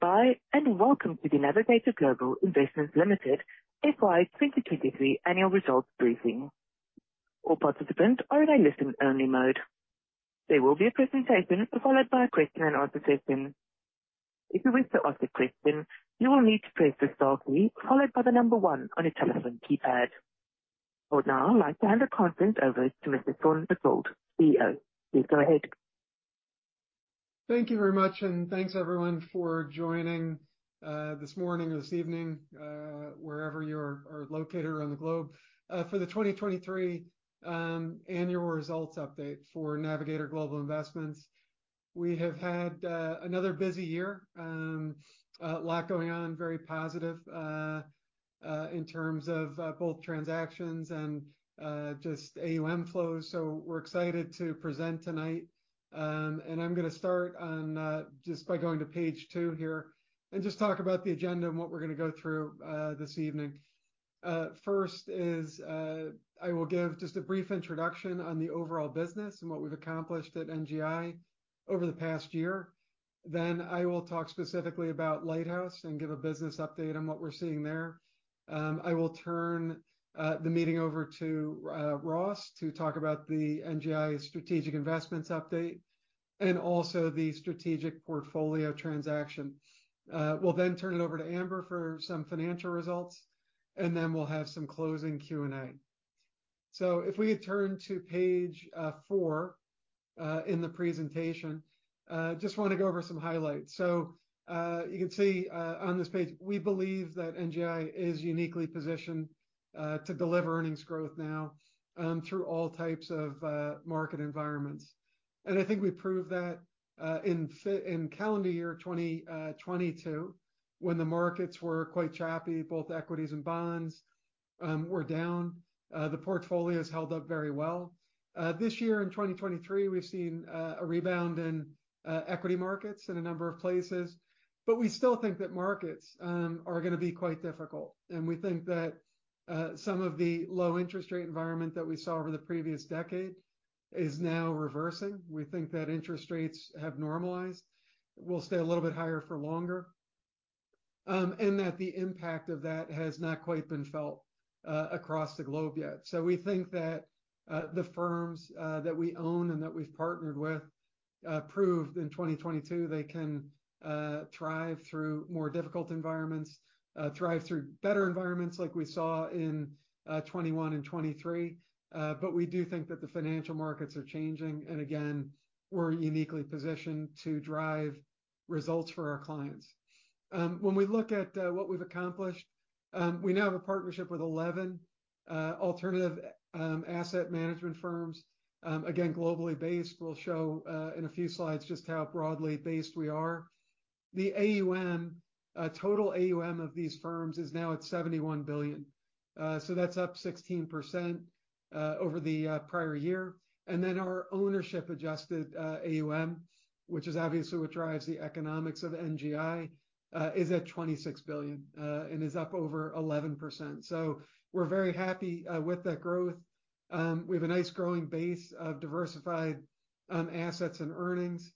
Bye, welcome to the Navigator Global Investments Limited FY 2023 annual results briefing. All participants are in a listen-only mode. There will be a presentation, followed by a question and answer session. If you wish to ask a question, you will need to press the star key followed by one on your telephone keypad. For now, I'd like to hand the conference over to Mr. Sean McGould, CEO. Please go ahead. Thank you very much, and thanks everyone for joining this morning or this evening, wherever you're, are located around the globe, for the 2023 annual results update for Navigator Global Investments. We have had another busy year, a lot going on, very positive in terms of both transactions and just AUM flows. We're excited to present tonight, and I'm gonna start on just by going to page 2 here, and just talk about the agenda and what we're gonna go through this evening. First is, I will give just a brief introduction on the overall business and what we've accomplished at NGI over the past year. I will talk specifically about Lighthouse and give a business update on what we're seeing there. I will turn the meeting over to Ross to talk about the NGI Strategic investments update and also the strategic portfolio transaction. We'll then turn it over to Amber for some financial results, and then we'll have some closing Q&A. If we could turn to page 4 in the presentation, just wanna go over some highlights. You can see on this page, we believe that NGI is uniquely positioned to deliver earnings growth now through all types of market environments. I think we proved that in calendar year 2022, when the markets were quite choppy, both equities and bonds were down. The portfolios held up very well. This year in 2023, we've seen a rebound in equity markets in a number of places, but we still think that markets are gonna be quite difficult. We think that some of the low interest rate environment that we saw over the previous decade is now reversing. We think that interest rates have normalized, will stay a little bit higher for longer, and that the impact of that has not quite been felt across the globe yet. We think that the firms that we own and that we've partnered with proved in 2022 they can thrive through more difficult environments, thrive through better environments like we saw in 21 and 23. But we do think that the financial markets are changing, and again, we're uniquely positioned to drive results for our clients. When we look at what we've accomplished, we now have a partnership with 11 alternative asset management firms. Again, globally based. We'll show in a few slides just how broadly based we are. The AUM, total AUM of these firms is now at $71 billion. That's up 16% over the prior year. Our Ownership-Adjusted AUM, which is obviously what drives the economics of NGI, is at $26 billion and is up over 11%. We're very happy with that growth. We have a nice growing base of diversified assets and earnings,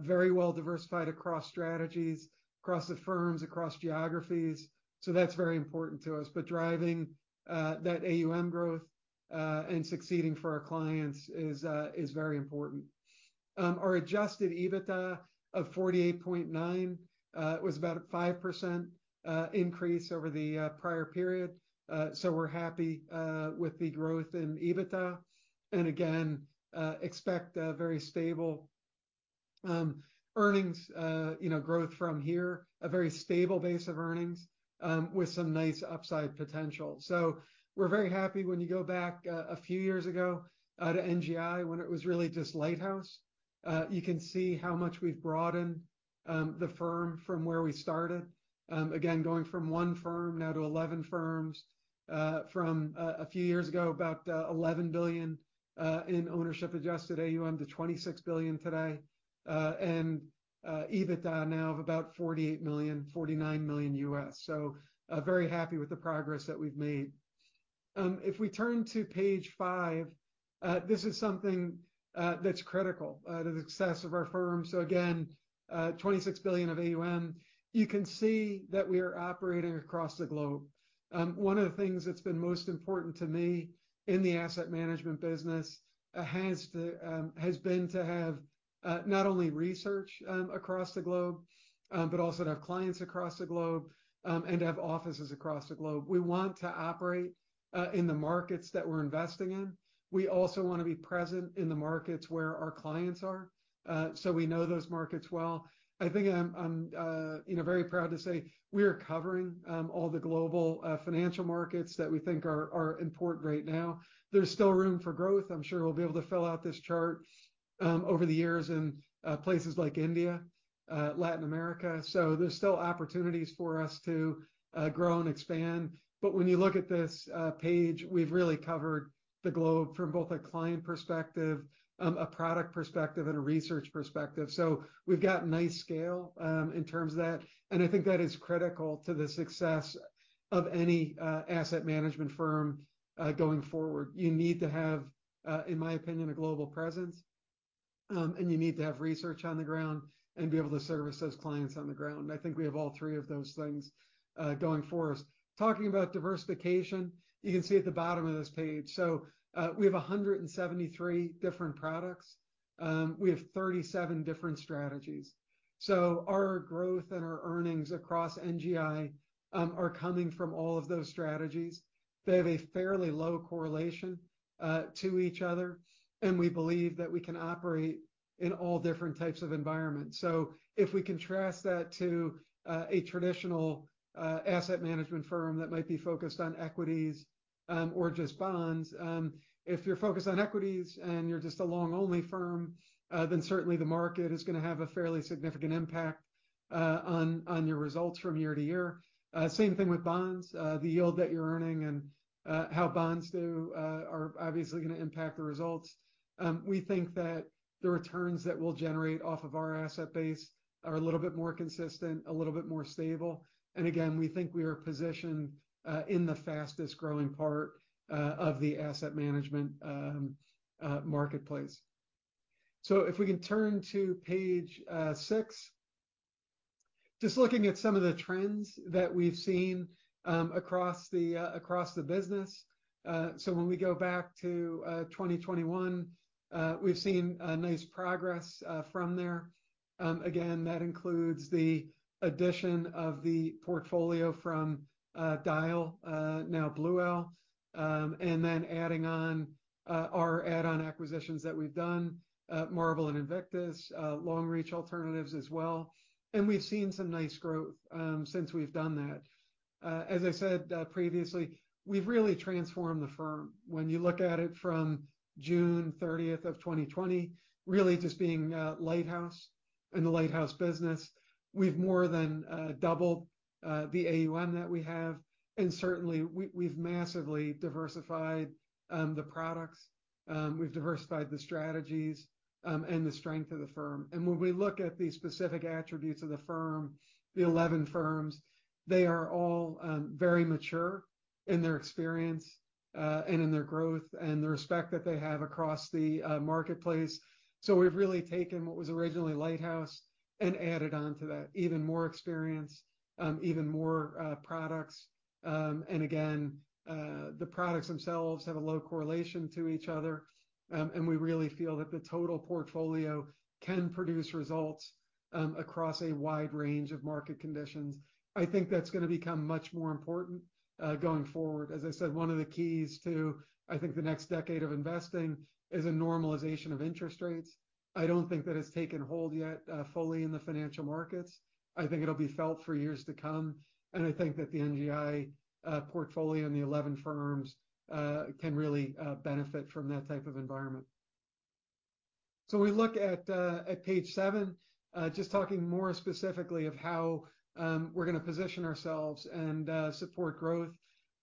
very well diversified across strategies, across the firms, across geographies, so that's very important to us. Driving that AUM growth and succeeding for our clients is very important. Our Adjusted EBITDA of $48.9 million was about a 5% increase over the prior period. We're happy with the growth in EBITDA, and again, expect a very stable, you know, growth from here, a very stable base of earnings with some nice upside potential. We're very happy when you go back a few years ago to NGI, when it was really just Lighthouse. You can see how much we've broadened the firm from where we started. Again, going from one firm now to 11 firms from a few years ago, about $11 billion in Ownership-Adjusted AUM to $26 billion today, and EBITDA now of about $48 million-$49 million U.S. Very happy with the progress that we've made. If we turn to page five, this is something that's critical to the success of our firm. Again, 26 billion of AUM, you can see that we are operating across the globe. One of the things that's been most important to me in the asset management business has been to have not only research across the globe, but also to have clients across the globe, and to have offices across the globe. We want to operate in the markets that we're investing in. We also want to be present in the markets where our clients are, so we know those markets well. I think I'm, I'm, you know, very proud to say we are covering all the global financial markets that we think are important right now. There's still room for growth. I'm sure we'll be able to fill out this chart over the years in places like India, Latin America. There's still opportunities for us to grow and expand. When you look at this page, we've really covered the globe from both a client perspective, a product perspective, and a research perspective. We've got nice scale in terms of that, and I think that is critical to the success of any asset management firm going forward. You need to have, in my opinion, a global presence and you need to have research on the ground and be able to service those clients on the ground. I think we have all three of those things going for us. Talking about diversification, you can see at the bottom of this page, we have 173 different products. We have 37 different strategies. Our growth and our earnings across NGI are coming from all of those strategies. They have a fairly low correlation to each other, and we believe that we can operate in all different types of environments. If we contrast that to a traditional asset management firm that might be focused on equities, or just bonds, if you're focused on equities and you're just a long-only firm, then certainly the market is gonna have a fairly significant impact on your results from year to year. Same thing with bonds. The yield that you're earning and how bonds do are obviously gonna impact the results. We think that the returns that we'll generate off of our asset base are a little bit more consistent, a little bit more stable, again, we think we are positioned in the fastest-growing part of the asset management marketplace. If we can turn to page 6. Just looking at some of the trends that we've seen across the across the business. When we go back to 2021, we've seen a nice progress from there. Again, that includes the addition of the portfolio from Dyal, now Blue Owl, then adding on our add-on acquisitions that we've done, Marble and Invictus, Longreach Alternatives as well. We've seen some nice growth since we've done that. As I said previously, we've really transformed the firm. When you look at it from June 30, 2020, really just being Lighthouse and the Lighthouse business, we've more than doubled the AUM that we have, and certainly, we, we've massively diversified the products, we've diversified the strategies, and the strength of the firm. When we look at the specific attributes of the firm, the 11 firms, they are all very mature in their experience and in their growth and the respect that they have across the marketplace. We've really taken what was originally Lighthouse and added on to that, even more experience, even more products. Again, the products themselves have a low correlation to each other, and we really feel that the total portfolio can produce results across a wide range of market conditions. I think that's gonna become much more important going forward. As I said, one of the keys to, I think, the next decade of investing is a normalization of interest rates. I don't think that it's taken hold yet fully in the financial markets. I think it'll be felt for years to come, and I think that the NGI portfolio and the 11 firms can really benefit from that type of environment. We look at at page 7 just talking more specifically of how we're gonna position ourselves and support growth.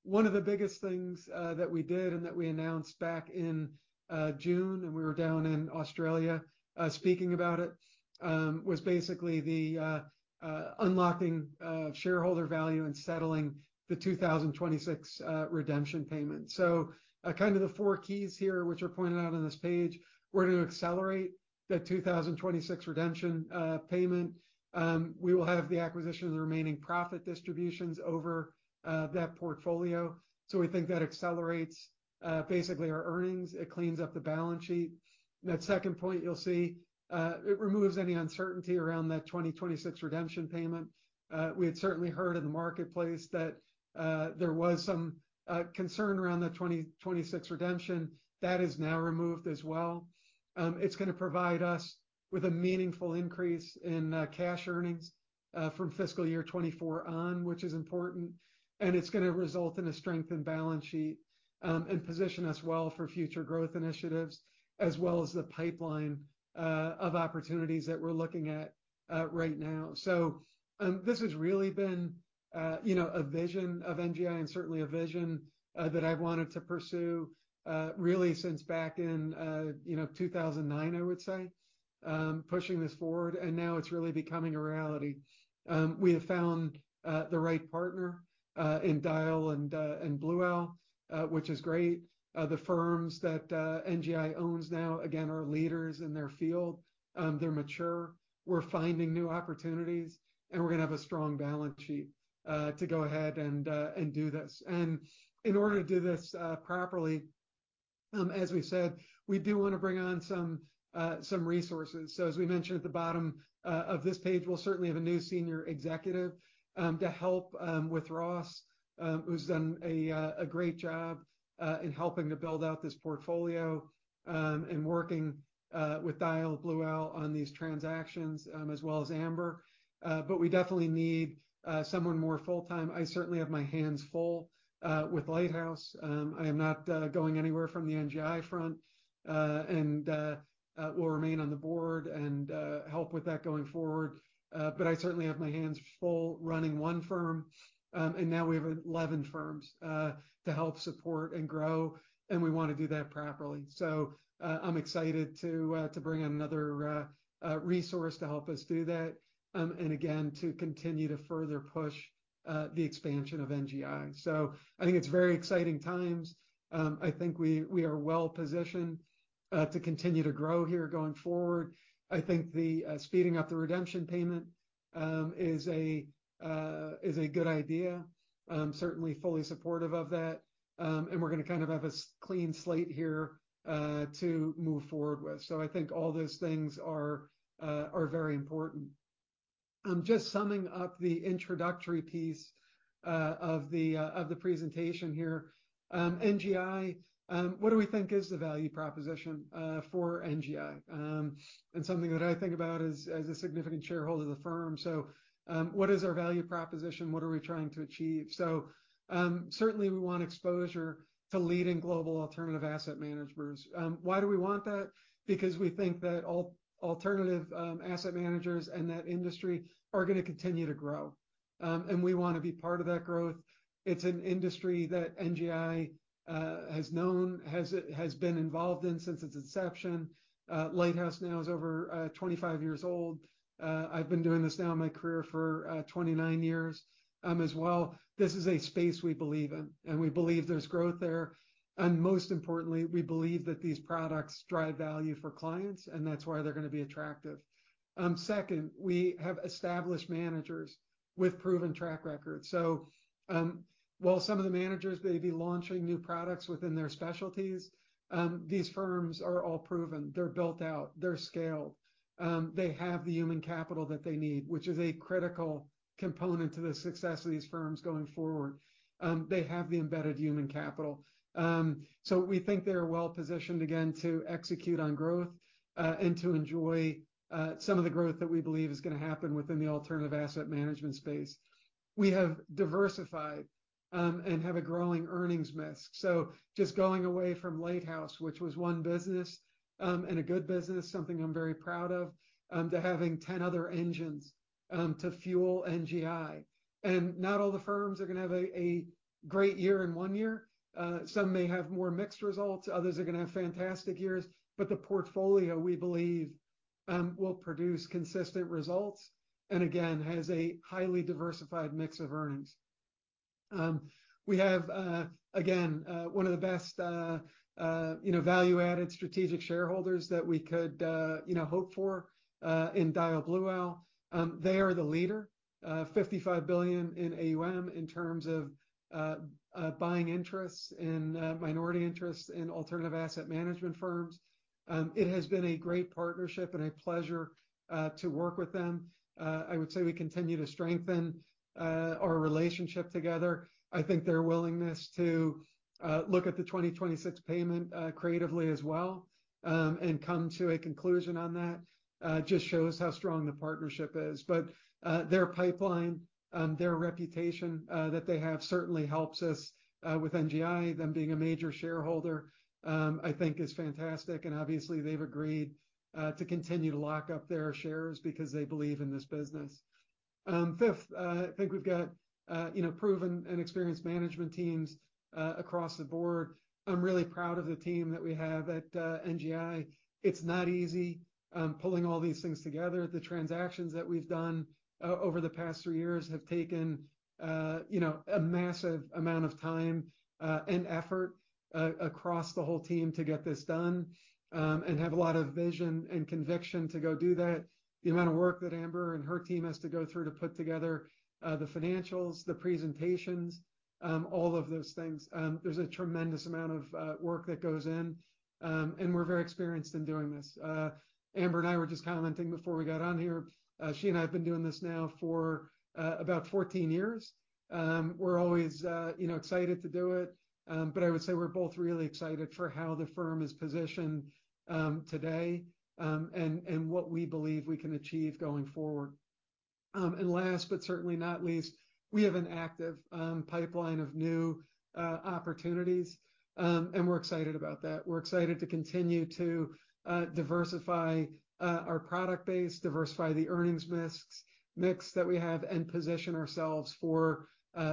One of the biggest things that we did and that we announced back in June, and we were down in Australia speaking about it was basically the unlocking shareholder value and settling the 2026 redemption payment. kind of the four keys here, which are pointed out on this page, we're to accelerate the 2026 redemption, payment. We will have the acquisition of the remaining profit distributions over that portfolio, so we think that accelerates, basically our earnings. It cleans up the balance sheet. That second point, you'll see, it removes any uncertainty around that 2026 redemption payment. We had certainly heard in the marketplace that, there was some, concern around the 2026 redemption. That is now removed as well. It's gonna provide us with a meaningful increase in cash earnings from fiscal year 2024 on, which is important, and it's gonna result in a strengthened balance sheet and position us well for future growth initiatives, as well as the pipeline of opportunities that we're looking at right now. This has really been, you know, a vision of NGI and certainly a vision that I've wanted to pursue really since back in, you know, 2009, I would say, pushing this forward, and now it's really becoming a reality. We have found the right partner in Dyal and Blue Owl, which is great. The firms that NGI owns now, again, are leaders in their field. They're mature. We're finding new opportunities, and we're gonna have a strong balance sheet to go ahead and do this. In order to do this properly, as we've said, we do wanna bring on some resources. As we mentioned at the bottom of this page, we'll certainly have a new senior executive to help with Ross, who's done a great job in helping to build out this portfolio and working with Dyal, Blue Owl on these transactions, as well as Amber. We definitely need someone more full-time. I certainly have my hands full with Lighthouse. I am not going anywhere from the NGI front and will remain on the board and help with that going forward. I certainly have my hands full running one firm, and now we have 11 firms to help support and grow, and we wanna do that properly. I'm excited to bring on another resource to help us do that, and again, to continue to further push the expansion of NGI. I think it's very exciting times. I think we are well-positioned to continue to grow here going forward. I think the speeding up the redemption payment is a good idea. I'm certainly fully supportive of that, and we're gonna kind of have a clean slate here to move forward with. I think all those things are very important. Just summing up the introductory piece of the presentation here. NGI, what do we think is the value proposition for NGI? Something that I think about as, as a significant shareholder of the firm. What is our value proposition? What are we trying to achieve? Certainly we want exposure to leading global alternative asset managers. Why do we want that? Because we think that alternative asset managers and that industry are gonna continue to grow, and we wanna be part of that growth. It's an industry that NGI has known, has, has been involved in since its inception. Lighthouse now is over 25 years old. I've been doing this now my career for 29 years as well. This is a space we believe in, we believe there's growth there. Most importantly, we believe that these products drive value for clients, and that's why they're gonna be attractive. Second, we have established managers with proven track records. While some of the managers may be launching new products within their specialties, these firms are all proven, they're built out, they're scaled. They have the human capital that they need, which is a critical component to the success of these firms going forward. They have the embedded human capital. We think they're well-positioned, again, to execute on growth, and to enjoy, some of the growth that we believe is gonna happen within the alternative asset management space. We have diversified, and have a growing earnings mix. Just going away from Lighthouse, which was one business, and a good business, something I'm very proud of, to having 10 other engines, to fuel NGI. Not all the firms are gonna have a great year in one year. Some may have more mixed results, others are gonna have fantastic years, but the portfolio, we believe, will produce consistent results, and again, has a highly diversified mix of earnings. We have, again, one of the best, you know, value-added strategic shareholders that we could, you know, hope for, in Dyal Blue Owl. They are the leader, $55 billion in AUM in terms of buying interests and minority interests in alternative asset management firms. It has been a great partnership and a pleasure to work with them. I would say we continue to strengthen our relationship together. I think their willingness to look at the 2026 payment creatively as well, and come to a conclusion on that, just shows how strong the partnership is. Their pipeline, their reputation that they have certainly helps us with NGI. Them being a major shareholder, I think is fantastic, and obviously, they've agreed to continue to lock up their shares because they believe in this business. Fifth, I think we've got, you know, proven and experienced management teams across the board. I'm really proud of the team that we have at NGI. It's not easy pulling all these things together. The transactions that we've done over the past three years have taken, you know, a massive amount of time and effort across the whole team to get this done, and have a lot of vision and conviction to go do that. The amount of work that Amber and her team has to go through to put together the financials, the presentations, all of those things, there's a tremendous amount of work that goes in, and we're very experienced in doing this. Amber and I were just commenting before we got on here, she and I have been doing this now for about 14 years. We're always, you know, excited to do it, but I would say we're both really excited for how the firm is positioned today, and what we believe we can achieve going forward. Last but certainly not least, we have an active pipeline of new opportunities, and we're excited about that. We're excited to continue to diversify our product base, diversify the earnings mix, mix that we have, and position ourselves for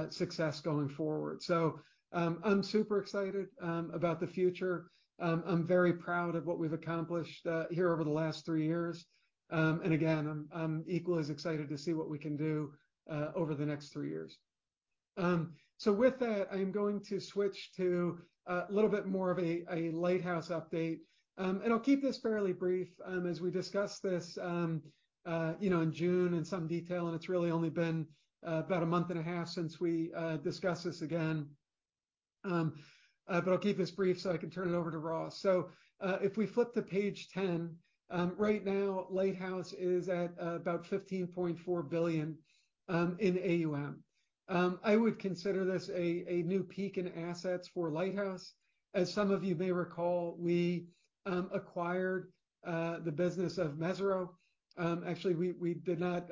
success going forward. I'm super excited about the future. I'm very proud of what we've accomplished here over the last three years. Again, I'm equally as excited to see what we can do over the next three years. With that, I'm going to switch to a little bit more of a Lighthouse update. And I'll keep this fairly brief, as we discussed this, you know, in June in some detail, and it's really only been about a month and 1/2 since we discussed this again. But I'll keep this brief so I can turn it over to Ross. If we flip to page 10, right now, Lighthouse is at about $15.4 billion in AUM. I would consider this a new peak in assets for Lighthouse. As some of you may recall, we acquired the business of Mesirow. Actually, we, we did not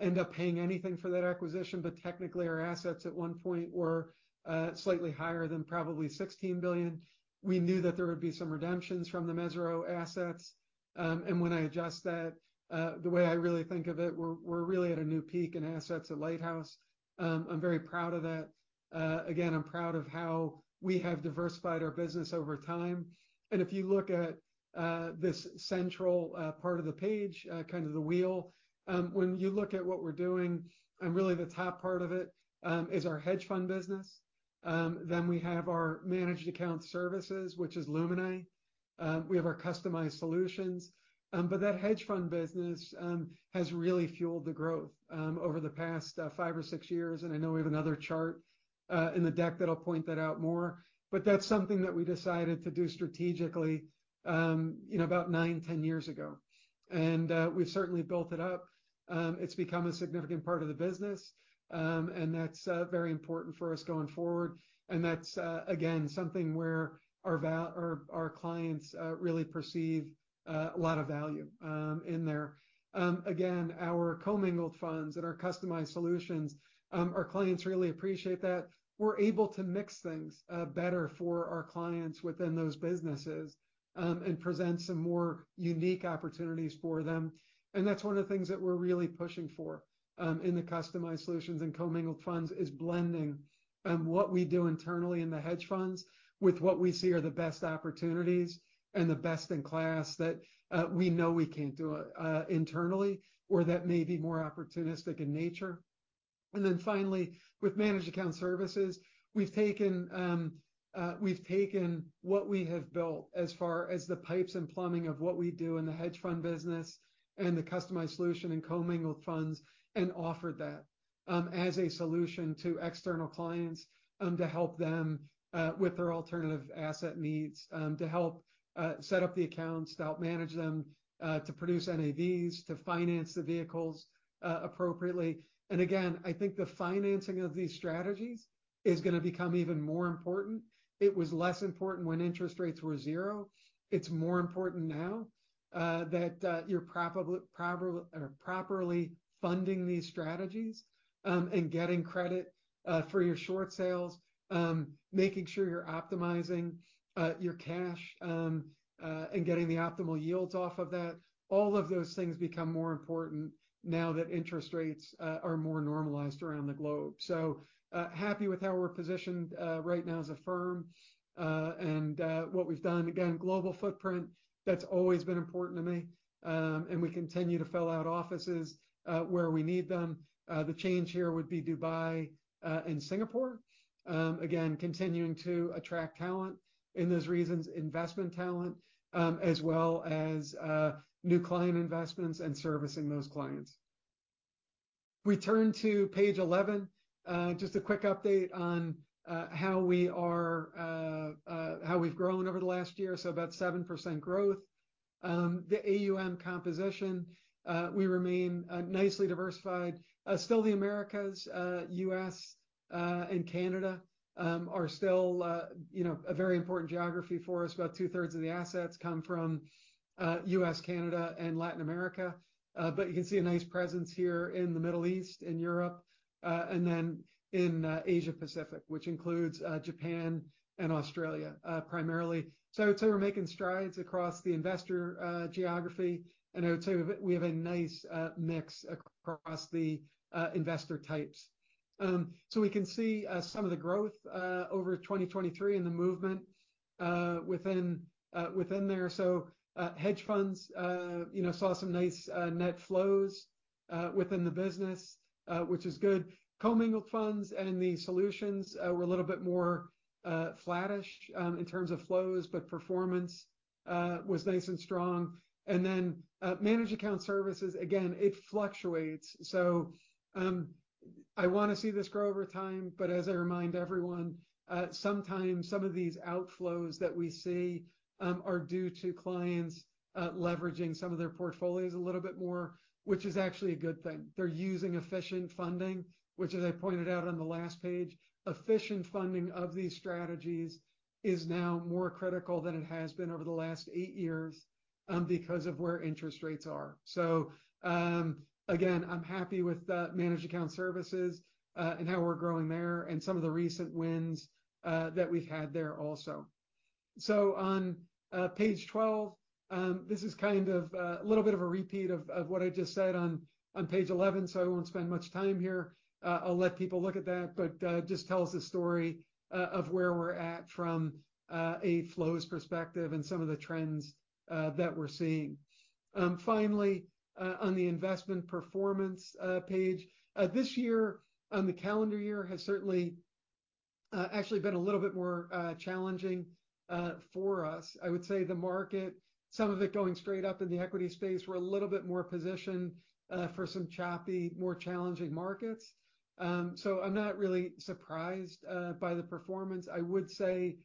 end up paying anything for that acquisition. Technically, our assets at one point were slightly higher than probably $16 billion. We knew that there would be some redemptions from the Mesirow assets. When I adjust that, the way I really think of it, we're, we're really at a new peak in assets at Lighthouse. I'm very proud of that. Again, I'm proud of how we have diversified our business over time. If you look at this central part of the page, kind of the wheel, when you look at what we're doing, and really the top part of it, is our hedge fund business. We have our managed account services, which is Luminae. We have our customized solutions. That hedge fund business has really fueled the growth over the past five or six years, and I know we have another chart in the deck that'll point that out more. That's something that we decided to do strategically, you know, about nine, 10 years ago. We've certainly built it up. It's become a significant part of the business, and that's very important for us going forward, and that's again, something where our val-- our, our clients really perceive a lot of value in there. Again, our commingled funds and our customized solutions, our clients really appreciate that. We're able to mix things better for our clients within those businesses, and present some more unique opportunities for them. That's one of the things that we're really pushing for, in the customized solutions and commingled funds, is blending, what we do internally in the hedge funds with what we see are the best opportunities and the best in class that we know we can't do internally, or that may be more opportunistic in nature. Finally, with managed account services, we've taken, we've taken what we have built as far as the pipes and plumbing of what we do in the hedge fund business and the customized solution and commingled funds, and offered that as a solution to external clients, to help them with their alternative asset needs. To help set up the accounts, to help manage them, to produce NAVs, to finance the vehicles appropriately. I think the financing of these strategies is gonna become even more important. It was less important when interest rates were zero. It's more important now that you're probably-- proper- properly funding these strategies and getting credit for your short sales, making sure you're optimizing your cash and getting the optimal yields off of that. All of those things become more important now that interest rates are more normalized around the globe. Happy with how we're positioned right now as a firm and what we've done. Global footprint, that's always been important to me. And we continue to fill out offices where we need them. The change here would be Dubai and Singapore. Again, continuing to attract talent in those regions, investment talent, as well as new client investments and servicing those clients. We turn to page 11. Just a quick update on how we are, how we've grown over the last year, so about 7% growth. The AUM composition, we remain nicely diversified. Still, the Americas, U.S., and Canada, are still, you know, a very important geography for us. About two-thirds of the assets come from U.S., Canada, and Latin America. You can see a nice presence here in the Middle East, in Europe, and then in Asia Pacific, which includes Japan and Australia, primarily. I'd say we're making strides across the investor geography, and I would say we, we have a nice mix across the investor types. We can see some of the growth over 2023 and the movement within within there. Hedge funds, you know, saw some nice net flows within the business, which is good. Commingled funds and the solutions were a little bit more flattish in terms of flows, but performance was nice and strong. Managed account services, again, it fluctuates. I want to see this grow over time, but as I remind everyone, sometimes some of these outflows that we see are due to clients leveraging some of their portfolios a little bit more, which is actually a good thing. They're using efficient funding, which, as I pointed out on the last page, efficient funding of these strategies is now more critical than it has been over the last eight years, because of where interest rates are. Again, I'm happy with the managed account services, and how we're growing there, and some of the recent wins, that we've had there also. On page 12, this is kind of a little bit of a repeat of what I just said on page 11, so I won't spend much time here. I'll let people look at that, but it just tells the story of where we're at from a flows perspective and some of the trends that we're seeing. Finally, on the investment performance page, this year, the calendar year has certainly actually been a little bit more challenging for us. I would say the market, some of it going straight up in the equity space. We're a little bit more positioned for some choppy, more challenging markets. I'm not really surprised by the performance. I would say,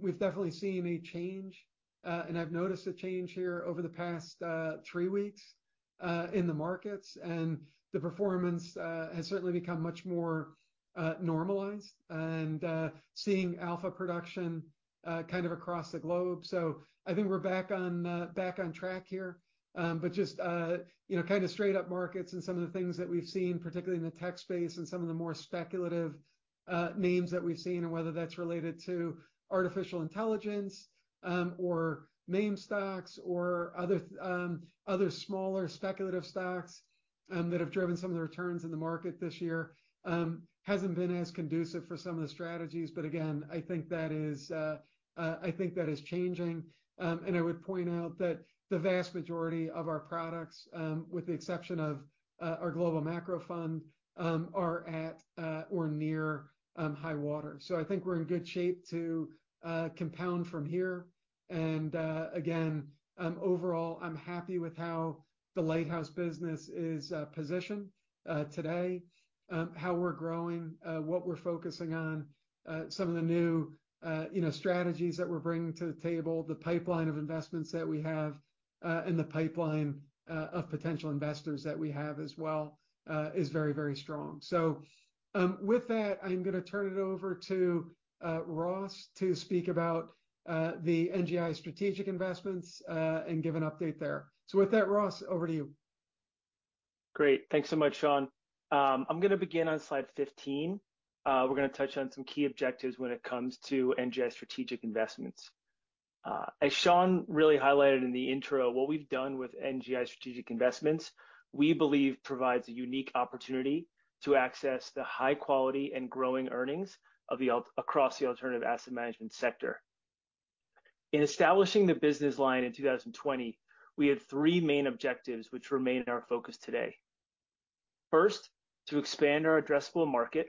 we've definitely seen a change, and I've noticed a change here over the past three weeks in the markets, and the performance has certainly become much more normalized and seeing alpha production kind of across the globe. I think we're back on back on track here. Just, you know, kind of straight up markets and some of the things that we've seen, particularly in the tech space and some of the more speculative names that we've seen, and whether that's related to artificial intelligence, or meme stocks, or other smaller speculative stocks, that have driven some of the returns in the market this year, hasn't been as conducive for some of the strategies. Again, I think that is, I think that is changing. I would point out that the vast majority of our products, with the exception of our global macro fund, are at or near high-water mark. I think we're in good shape to compound from here. ith how the Lighthouse business is positioned today, how we're growing, what we're focusing on, some of the new, you know, strategies that we're bringing to the table, the pipeline of investments that we have, and the pipeline of potential investors that we have as well, is very, very strong. With that, I'm going to turn it over to Ross to speak about the NGI Strategic Investments and give an update there. With that, Ross, over to you. Great. Thanks so much, Sean. I'm going to begin on slide 15. We're going to touch on some key objectives when it comes to NGI Strategic Investments. As Sean really highlighted in the intro, what we've done with NGI Strategic Investments, we believe provides a unique opportunity to access the high quality and growing earnings of the across the alternative asset management sector. In establishing the business line in 2020, we had three main objectives, which remain in our focus today. First, to expand our addressable market.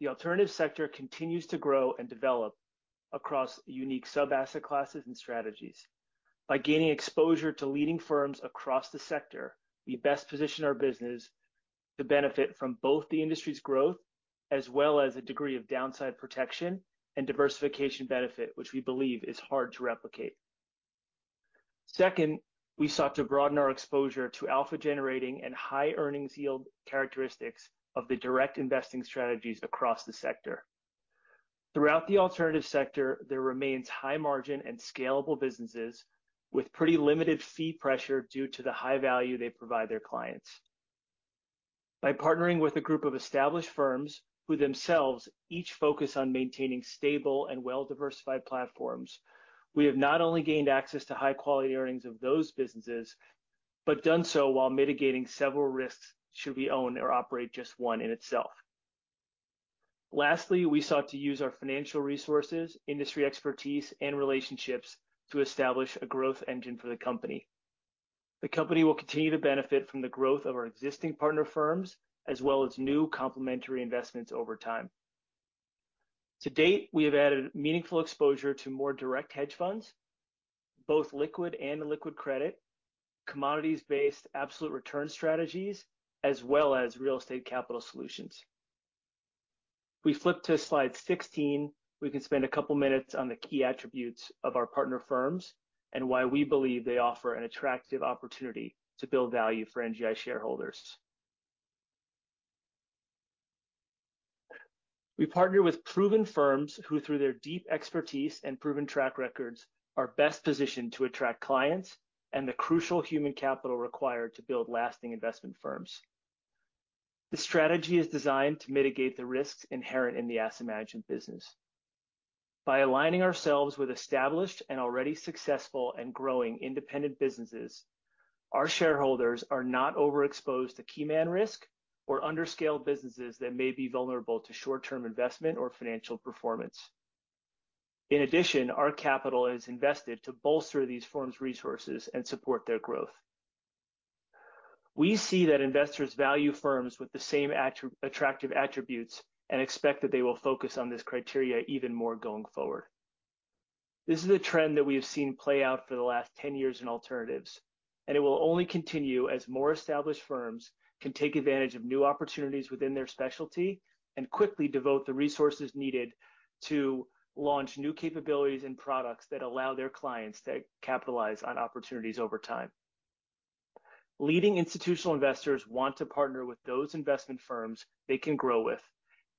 The alternative sector continues to grow and develop across unique sub-asset classes and strategies. By gaining exposure to leading firms across the sector, we best position our business to benefit from both the industry's growth as well as a degree of downside protection and diversification benefit, which we believe is hard to replicate. Second, we sought to broaden our exposure to alpha-generating and high earnings yield characteristics of the direct investing strategies across the sector. Throughout the alternative sector, there remains high margin and scalable businesses with pretty limited fee pressure due to the high value they provide their clients. By partnering with a group of established firms who themselves each focus on maintaining stable and well-diversified platforms, we have not only gained access to high-quality earnings of those businesses, but done so while mitigating several risks should we own or operate just one in itself. Lastly, we sought to use our financial resources, industry expertise, and relationships to establish a growth engine for the company. The company will continue to benefit from the growth of our existing partner firms as well as new complementary investments over time. To date, we have added meaningful exposure to more direct hedge funds, both liquid and illiquid credit, commodities-based absolute return strategies, as well as real estate capital solutions. If we flip to slide 16, we can spend a couple minutes on the key attributes of our partner firms and why we believe they offer an attractive opportunity to build value for NGI shareholders. We partner with proven firms who, through their deep expertise and proven track records, are best positioned to attract clients and the crucial human capital required to build lasting investment firms. This strategy is designed to mitigate the risks inherent in the asset management business. By aligning ourselves with established and already successful and growing independent businesses, our shareholders are not overexposed to keyman risk or under-scale businesses that may be vulnerable to short-term investment or financial performance. In addition, our capital is invested to bolster these firms' resources and support their growth. We see that investors value firms with the same attractive attributes and expect that they will focus on this criteria even more going forward. This is a trend that we have seen play out for the last 10 years in alternatives, and it will only continue as more established firms can take advantage of new opportunities within their specialty and quickly devote the resources needed to launch new capabilities and products that allow their clients to capitalize on opportunities over time. Leading institutional investors want to partner with those investment firms they can grow with,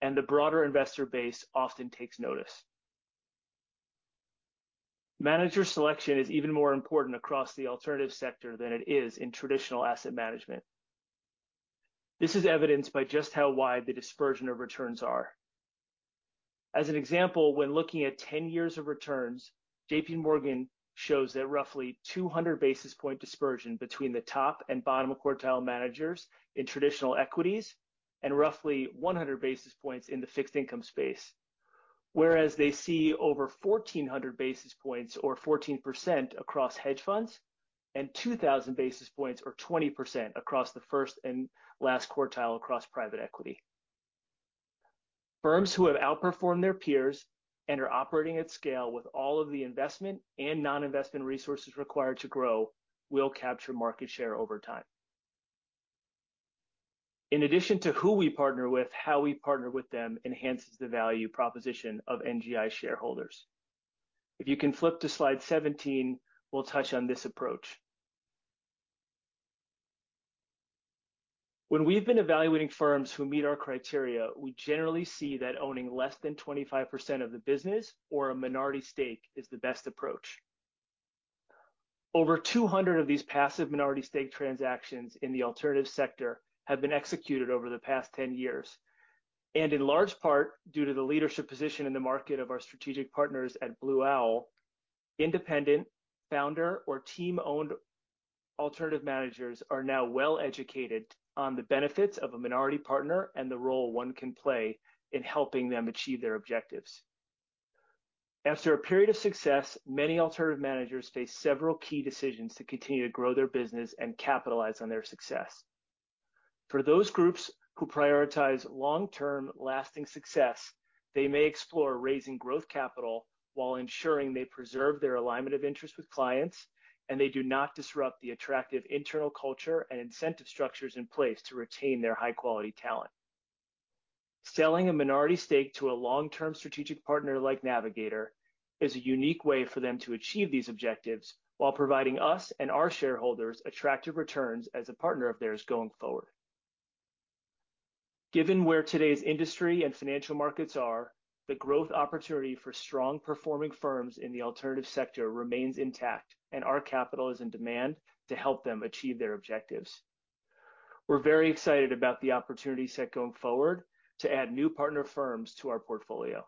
and the broader investor base often takes notice. Manager selection is even more important across the alternative sector than it is in traditional asset management. This is evidenced by just how wide the dispersion of returns are. As an example, when looking at 10 years of returns, JPMorgan shows that roughly 200 basis point dispersion between the top and bottom quartile managers in traditional equities and roughly 100 basis points in the fixed income space. They see over 1,400 basis points or 14% across hedge funds and 2,000 basis points or 20% across the first and last quartile across private equity. Firms who have outperformed their peers and are operating at scale with all of the investment and non-investment resources required to grow, will capture market share over time. In addition to who we partner with, how we partner with them enhances the value proposition of NGI shareholders. If you can flip to slide 17, we'll touch on this approach. When we've been evaluating firms who meet our criteria, we generally see that owning less than 25% of the business or a minority stake is the best approach. Over 200 of these passive minority stake transactions in the alternative sector have been executed over the past 10 years, and in large part, due to the leadership position in the market of our strategic partners at Blue Owl, independent, founder, or team-owned alternative managers are now well educated on the benefits of a minority partner and the role one can play in helping them achieve their objectives. After a period of success, many alternative managers face several key decisions to continue to grow their business and capitalize on their success. For those groups who prioritize long-term, lasting success, they may explore raising growth capital while ensuring they preserve their alignment of interest with clients, they do not disrupt the attractive internal culture and incentive structures in place to retain their high-quality talent. Selling a minority stake to a long-term strategic partner like Navigator is a unique way for them to achieve these objectives while providing us and our shareholders attractive returns as a partner of theirs going forward. Given where today's industry and financial markets are, the growth opportunity for strong-performing firms in the alternative sector remains intact, our capital is in demand to help them achieve their objectives. We're very excited about the opportunities set going forward to add new partner firms to our portfolio.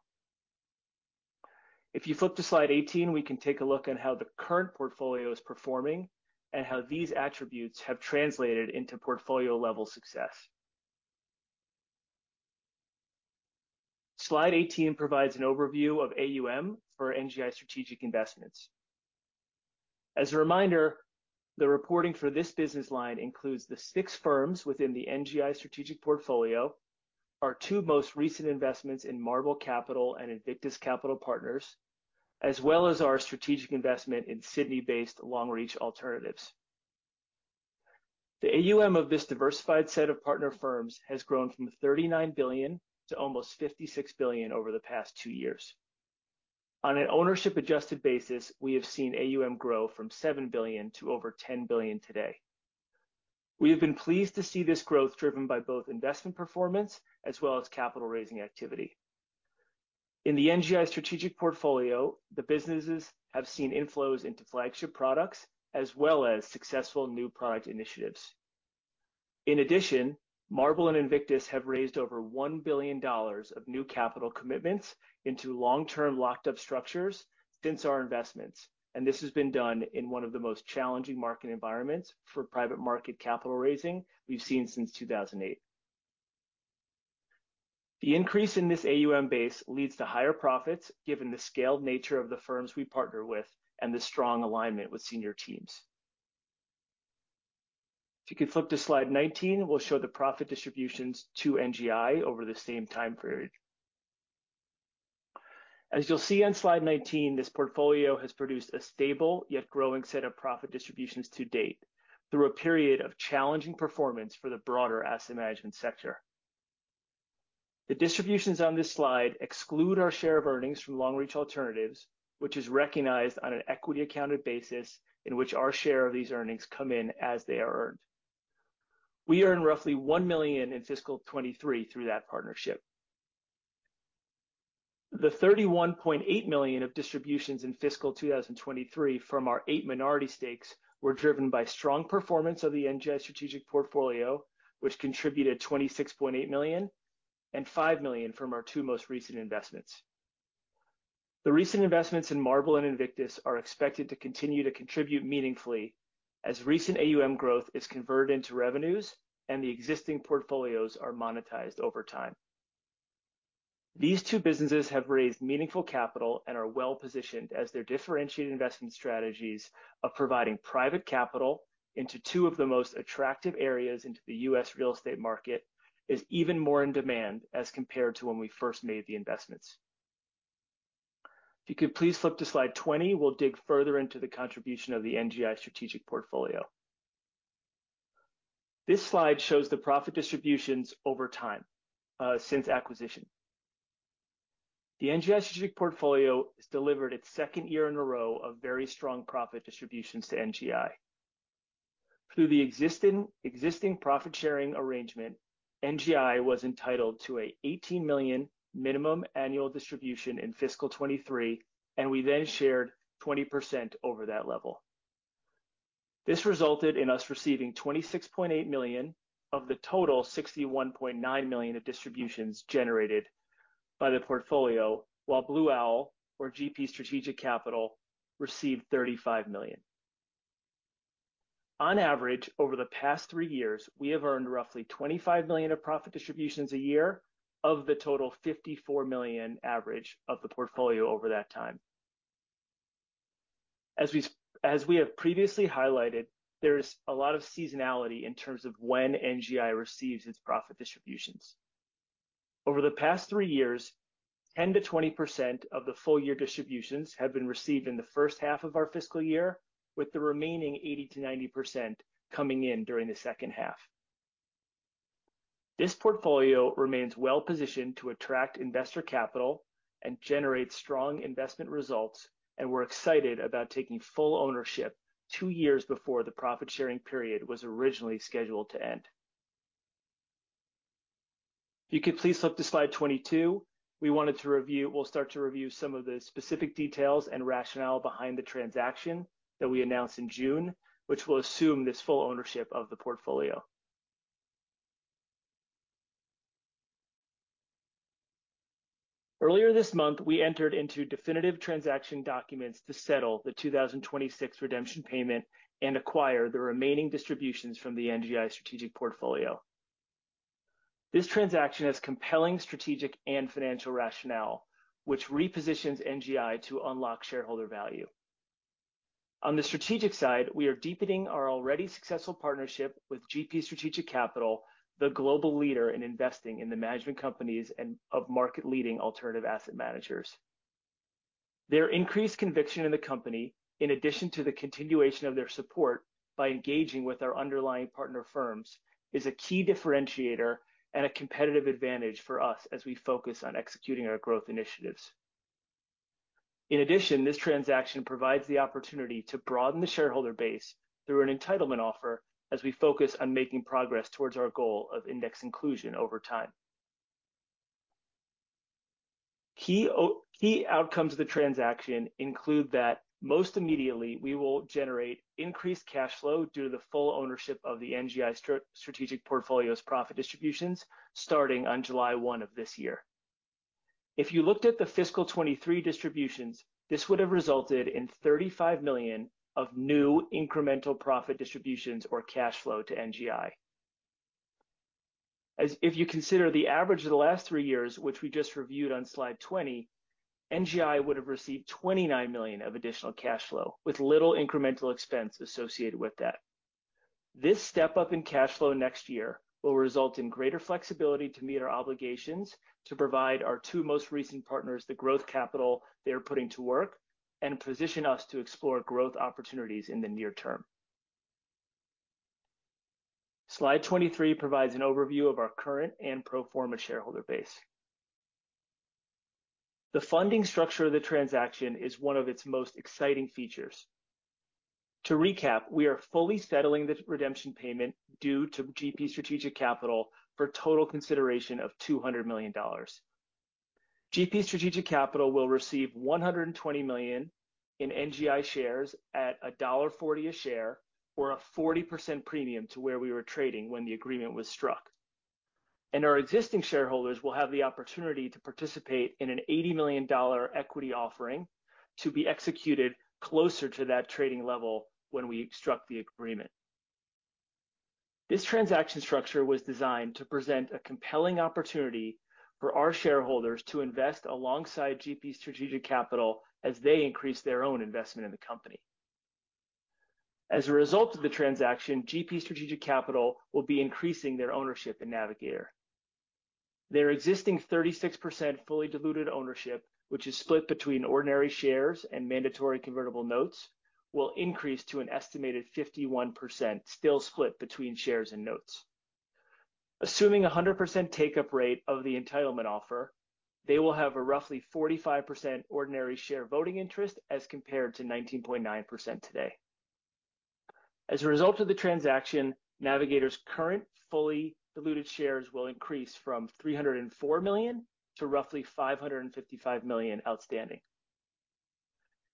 If you flip to slide 18, we can take a look at how the current portfolio is performing and how these attributes have translated into portfolio-level success. Slide 18 provides an overview of AUM for NGI Strategic Investments. As a reminder, the reporting for this business line includes the six firms within the NGI Strategic Portfolio, our two most recent investments in Marble Capital and Invictus Capital Partners, as well as our Strategic Investments in Sydney-based Longreach Alternatives. The AUM of this diversified set of partner firms has grown from $39 billion to almost $56 billion over the past two years. On an ownership-adjusted basis, we have seen AUM grow from $7 billion to over $10 billion today. We have been pleased to see this growth driven by both investment performance as well as capital-raising activity. In the NGI Strategic Portfolio, the businesses have seen inflows into flagship products as well as successful new product initiatives. In addition, Marble and Invictus have raised over $1 billion of new capital commitments into long-term, locked-up structures since our investments, and this has been done in one of the most challenging market environments for private market capital raising we've seen since 2008. The increase in this AUM base leads to higher profits, given the scaled nature of the firms we partner with and the strong alignment with senior teams. If you could flip to slide 19, we'll show the profit distributions to NGI over the same time period. As you'll see on slide 19, this portfolio has produced a stable yet growing set of profit distributions to date through a period of challenging performance for the broader asset management sector. The distributions on this slide exclude our share of earnings from Longreach Alternatives, which is recognized on an equity accounted basis in which our share of these earnings come in as they are earned. We earned roughly $1 million in fiscal 2023 through that partnership. The $31.8 million of distributions in fiscal 2023 from our eight minority stakes were driven by strong performance of the NGI Strategic Portfolio, which contributed $26.8 million and $5 million from our two most recent investments. The recent investments in Marble and Invictus are expected to continue to contribute meaningfully as recent AUM growth is converted into revenues and the existing portfolios are monetized over time. These two businesses have raised meaningful capital and are well-positioned as their differentiated investment strategies of providing private capital into two of the most attractive areas into the U.S. real estate market is even more in demand as compared to when we first made the investments. If you could please flip to slide 20, we'll dig further into the contribution of the NGI Strategic Portfolio. This slide shows the profit distributions over time since acquisition. The NGI Strategic Portfolio has delivered its second year in a row of very strong profit distributions to NGI. Through the existing profit-sharing arrangement, NGI was entitled to a $18 million minimum annual distribution in FY 2023. We then shared 20% over that level. This resulted in us receiving $26.8 million of the total $61.9 million of distributions generated by the portfolio, while Blue Owl or GP Strategic Capital received $35 million. On average, over the past three years, we have earned roughly $25 million of profit distributions a year of the total $54 million average of the portfolio over that time. As we have previously highlighted, there is a lot of seasonality in terms of when NGI receives its profit distributions. Over the past three years, 10%-20% of the full-year distributions have been received in the first half of our fiscal year, with the remaining 80%-90% coming in during the second half. This portfolio remains well-positioned to attract investor capital and generate strong investment results, and we're excited about taking full ownership two years before the profit-sharing period was originally scheduled to end. If you could please flip to slide 22, we wanted to review, we'll start to review some of the specific details and rationale behind the transaction that we announced in June, which will assume this full ownership of the portfolio. Earlier this month, we entered into definitive transaction documents to settle the 2026 redemption payment and acquire the remaining distributions from the NGI Strategic Portfolio. This transaction has compelling strategic and financial rationale, which repositions NGI to unlock shareholder value. On the strategic side, we are deepening our already successful partnership with GP Strategic Capital, the global leader in investing in the management companies and of market-leading alternative asset managers. Their increased conviction in the company, in addition to the continuation of their support by engaging with our underlying partner firms, is a key differentiator and a competitive advantage for us as we focus on executing our growth initiatives. This transaction provides the opportunity to broaden the shareholder base through an entitlement offer as we focus on making progress towards our goal of index inclusion over time. Key outcomes of the transaction include that most immediately, we will generate increased cash flow due to the full ownership of the NGI Strategic Portfolio's profit distributions starting on July 1 of this year. If you looked at the fiscal 2023 distributions, this would have resulted in 35 million of new incremental profit distributions or cash flow to NGI. If you consider the average of the last three years, which we just reviewed on slide 20, NGI would have received $29 million of additional cash flow with little incremental expense associated with that. This step-up in cash flow next year will result in greater flexibility to meet our obligations, to provide our two most recent partners the growth capital they are putting to work, and position us to explore growth opportunities in the near term. Slide 23 provides an overview of our current and pro forma shareholder base. The funding structure of the transaction is one of its most exciting features. To recap, we are fully settling the redemption payment due to GP Strategic Capital for a total consideration of $200 million. GP Strategic Capital will receive 120 million in NGI shares at dollar 1.40 a share or a 40% premium to where we were trading when the agreement was struck. Our existing shareholders will have the opportunity to participate in an 80 million dollar equity offering to be executed closer to that trading level when we struck the agreement. This transaction structure was designed to present a compelling opportunity for our shareholders to invest alongside GP Strategic Capital as they increase their own investment in the company. As a result of the transaction, GP Strategic Capital will be increasing their ownership in Navigator. Their existing 36% fully diluted ownership, which is split between ordinary shares and mandatory convertible notes, will increase to an estimated 51%, still split between shares and notes. Assuming a 100% take-up rate of the entitlement offer, they will have a roughly 45% ordinary share voting interest, as compared to 19.9% today. As a result of the transaction, Navigator's current fully diluted shares will increase from 304 million to roughly 555 million outstanding.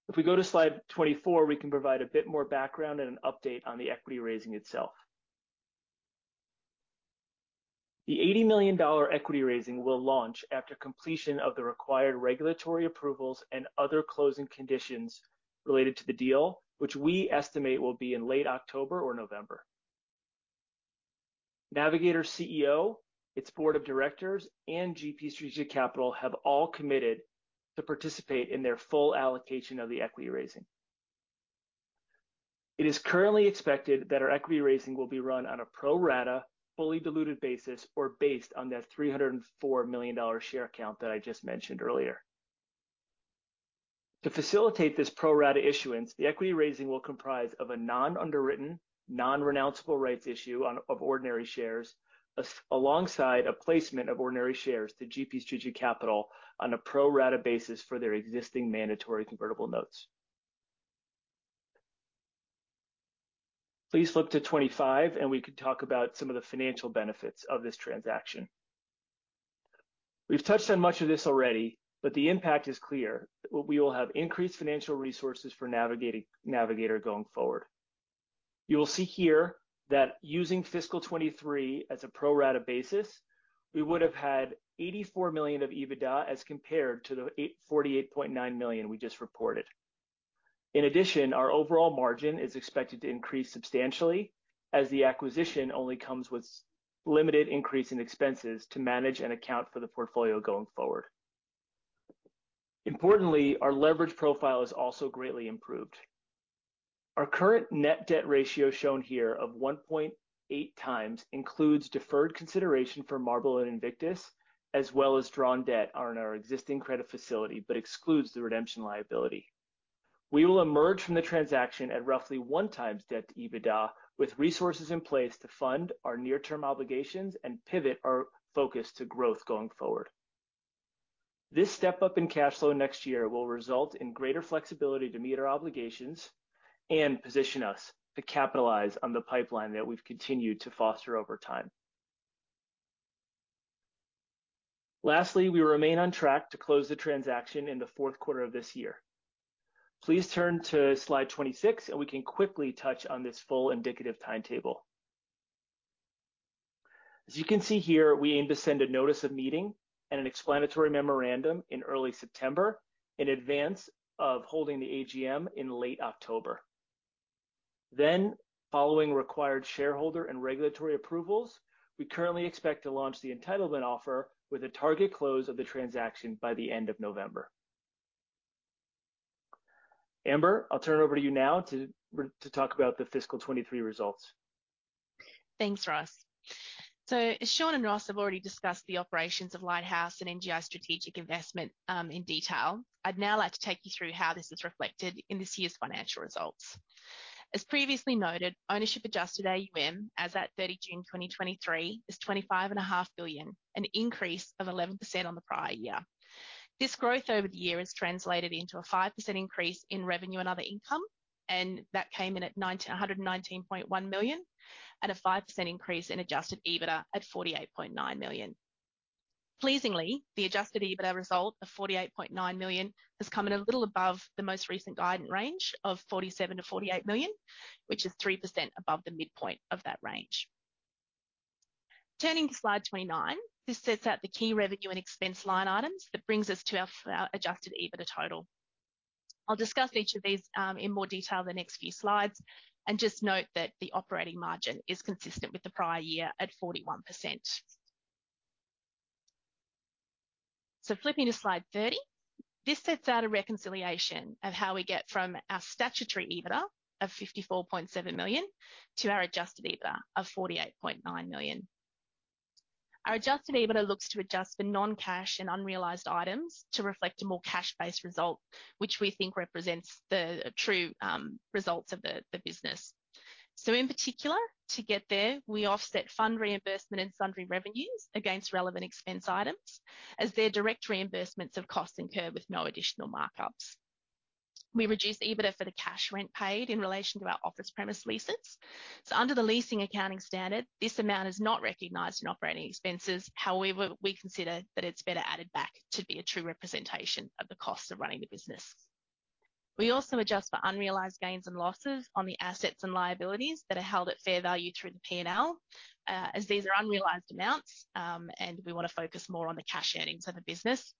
If we go to slide 24, we can provide a bit more background and an update on the equity raising itself. The $80 million equity raising will launch after completion of the required regulatory approvals and other closing conditions related to the deal, which we estimate will be in late October or November. Navigator's CEO, its board of directors, and GP Strategic Capital have all committed to participate in their full allocation of the equity raising. It is currently expected that our equity raising will be run on a pro rata, fully diluted basis or based on that $304 million share count that I just mentioned earlier. To facilitate this pro rata issuance, the equity raising will comprise of a non-underwritten, non-renounceable rights issue of ordinary shares, alongside a placement of ordinary shares to GP Strategic Capital on a pro rata basis for their existing mandatory convertible notes. Please flip to 25, we can talk about some of the financial benefits of this transaction. We've touched on much of this already, the impact is clear. We will have increased financial resources for Navigator going forward. You will see here that using FY 2023 as a pro rata basis, we would have had $84 million of EBITDA as compared to the $48.9 million we just reported. In addition, our overall margin is expected to increase substantially as the acquisition only comes with limited increase in expenses to manage and account for the portfolio going forward. Importantly, our leverage profile is also greatly improved. Our current net debt ratio, shown here of 1.8x, includes deferred consideration for Marble and Invictus, as well as drawn debt on our existing credit facility, but excludes the redemption liability. We will emerge from the transaction at roughly 1x debt to EBITDA, with resources in place to fund our near-term obligations and pivot our focus to growth going forward. This step-up in cash flow next year will result in greater flexibility to meet our obligations and position us to capitalize on the pipeline that we've continued to foster over time. Lastly, we remain on track to close the transaction in the fourth quarter of this year. Please turn to slide 26, and we can quickly touch on this full indicative timetable. As you can see here, we aim to send a notice of meeting and an explanatory memorandum in early September, in advance of holding the AGM in late October. Following required shareholder and regulatory approvals, we currently expect to launch the entitlement offer with a target close of the transaction by the end of November. Amber, I'll turn it over to you now to talk about the fiscal 23 results. Thanks, Ross. Sean and Ross have already discussed the operations of Lighthouse and NGI Strategic Investments in detail. I'd now like to take you through how this is reflected in this year's financial results. As previously noted, Ownership-Adjusted AUM as at 30 June 2023 is $25.5 billion, an increase of 11% on the prior year. This growth over the year has translated into a 5% increase in revenue and other income, and that came in at $119.1 million and a 5% increase in Adjusted EBITDA at $48.9 million. Pleasingly, the Adjusted EBITDA result of $48.9 million has come in a little above the most recent guidance range of $47 million-$48 million, which is 3% above the midpoint of that range. Turning to slide 29, this sets out the key revenue and expense line items that brings us to our Adjusted EBITDA total. I'll discuss each of these in more detail in the next few slides, and just note that the operating margin is consistent with the prior year at 41%. Flipping to slide 30. This sets out a reconciliation of how we get from our Statutory EBITDA of 54.7 million to our Adjusted EBITDA of 48.9 million. Our Adjusted EBITDA looks to adjust for non-cash and unrealized items to reflect a more cash-based result, which we think represents the true results of the business. In particular, to get there, we offset fund reimbursement and sundry revenues against relevant expense items as they're direct reimbursements of costs incurred with no additional markups. We reduced the EBITDA for the cash rent paid in relation to our office premise leases. Under the leasing accounting standard, this amount is not recognized in operating expenses. However, we consider that it's better added back to be a true representation of the cost of running the business. We also adjust for unrealized gains and losses on the assets and liabilities that are held at fair value through the P&L, as these are unrealized amounts, we want to focus more on the cash earnings of the business.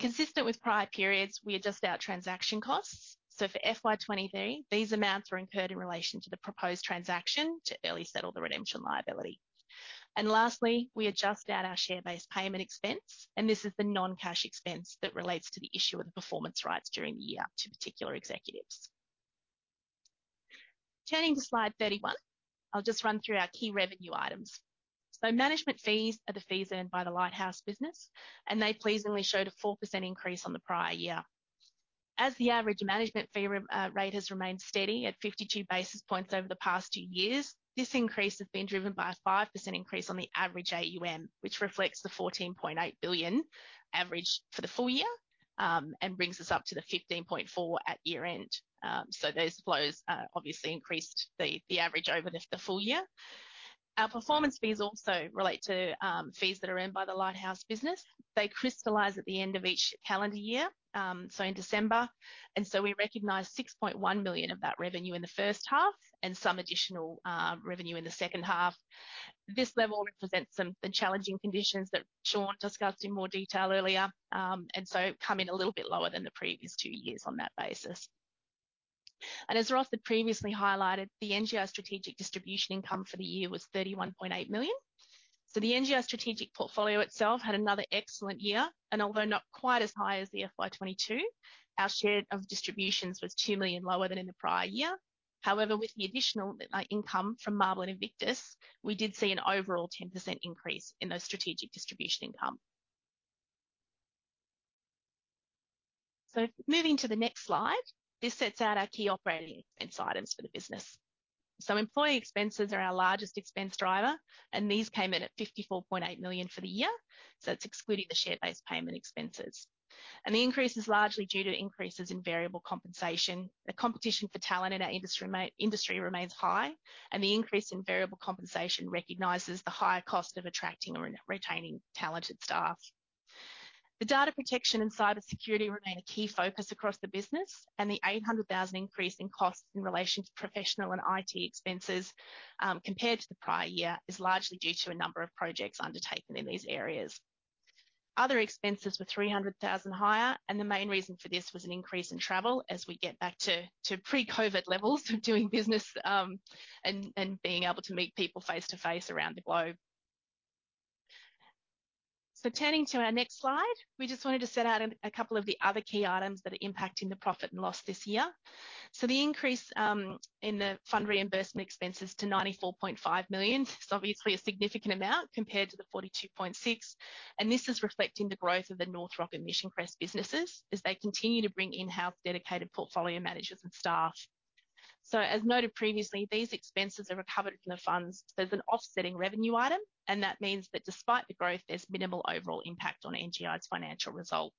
Consistent with prior periods, we adjust our transaction costs. For FY 2023, these amounts were incurred in relation to the proposed transaction to early settle the redemption liability. Lastly, we adjust out our share-based payment expense, and this is the non-cash expense that relates to the issue of the performance rights during the year to particular executives. Turning to slide 31, I'll just run through our key revenue items. Management fees are the fees earned by the Lighthouse business, and they pleasingly showed a 4% increase on the prior year. As the average management fee rate has remained steady at 52 basis points over the past two years, this increase has been driven by a 5% increase on the average AUM, which reflects the $14.8 billion average for the full year, and brings us up to the $15.4 at year-end. Those flows obviously increased the average over the full year. Our performance fees also relate to fees that are earned by the Lighthouse business. They crystallize at the end of each calendar year, so in December, we recognized 6.1 million of that revenue in the first half and some additional revenue in the second half. This level represents some, the challenging conditions that Sean discussed in more detail earlier, come in a little bit lower than the previous two years on that basis. As Ross had previously highlighted, the NGI Strategic distribution income for the year was 31.8 million. The NGI Strategic Portfolio itself had another excellent year, and although not quite as high as the FY 2022, our share of distributions was 2 million lower than in the prior year. However, with the additional income from Marble and Invictus, we did see an overall 10% increase in the strategic distribution income. Moving to the next slide, this sets out our key operating expense items for the business. Employee expenses are our largest expense driver, and these came in at 54.8 million for the year, so it's excluding the share-based payment expenses. The increase is largely due to increases in variable compensation. The competition for talent in our industry remains high, and the increase in variable compensation recognizes the higher cost of attracting and retaining talented staff. The data protection and cybersecurity remain a key focus across the business, and the 800,000 increase in costs in relation to professional and IT expenses, compared to the prior year, is largely due to a number of projects undertaken in these areas. Other expenses were 300,000 higher. The main reason for this was an increase in travel as we get back to pre-COVID levels of doing business and being able to meet people face to face around the globe. Turning to our next slide, we just wanted to set out a couple of the other key items that are impacting the profit and loss this year. The increase in the fund reimbursement expenses to 94.5 million is obviously a significant amount compared to the 42.6 million. This is reflecting the growth of the North Rock and Mission Crest businesses as they continue to bring in-house dedicated portfolio managers and staff. As noted previously, these expenses are recovered from the funds. There's an offsetting revenue item, and that means that despite the growth, there's minimal overall impact on NGI's financial result.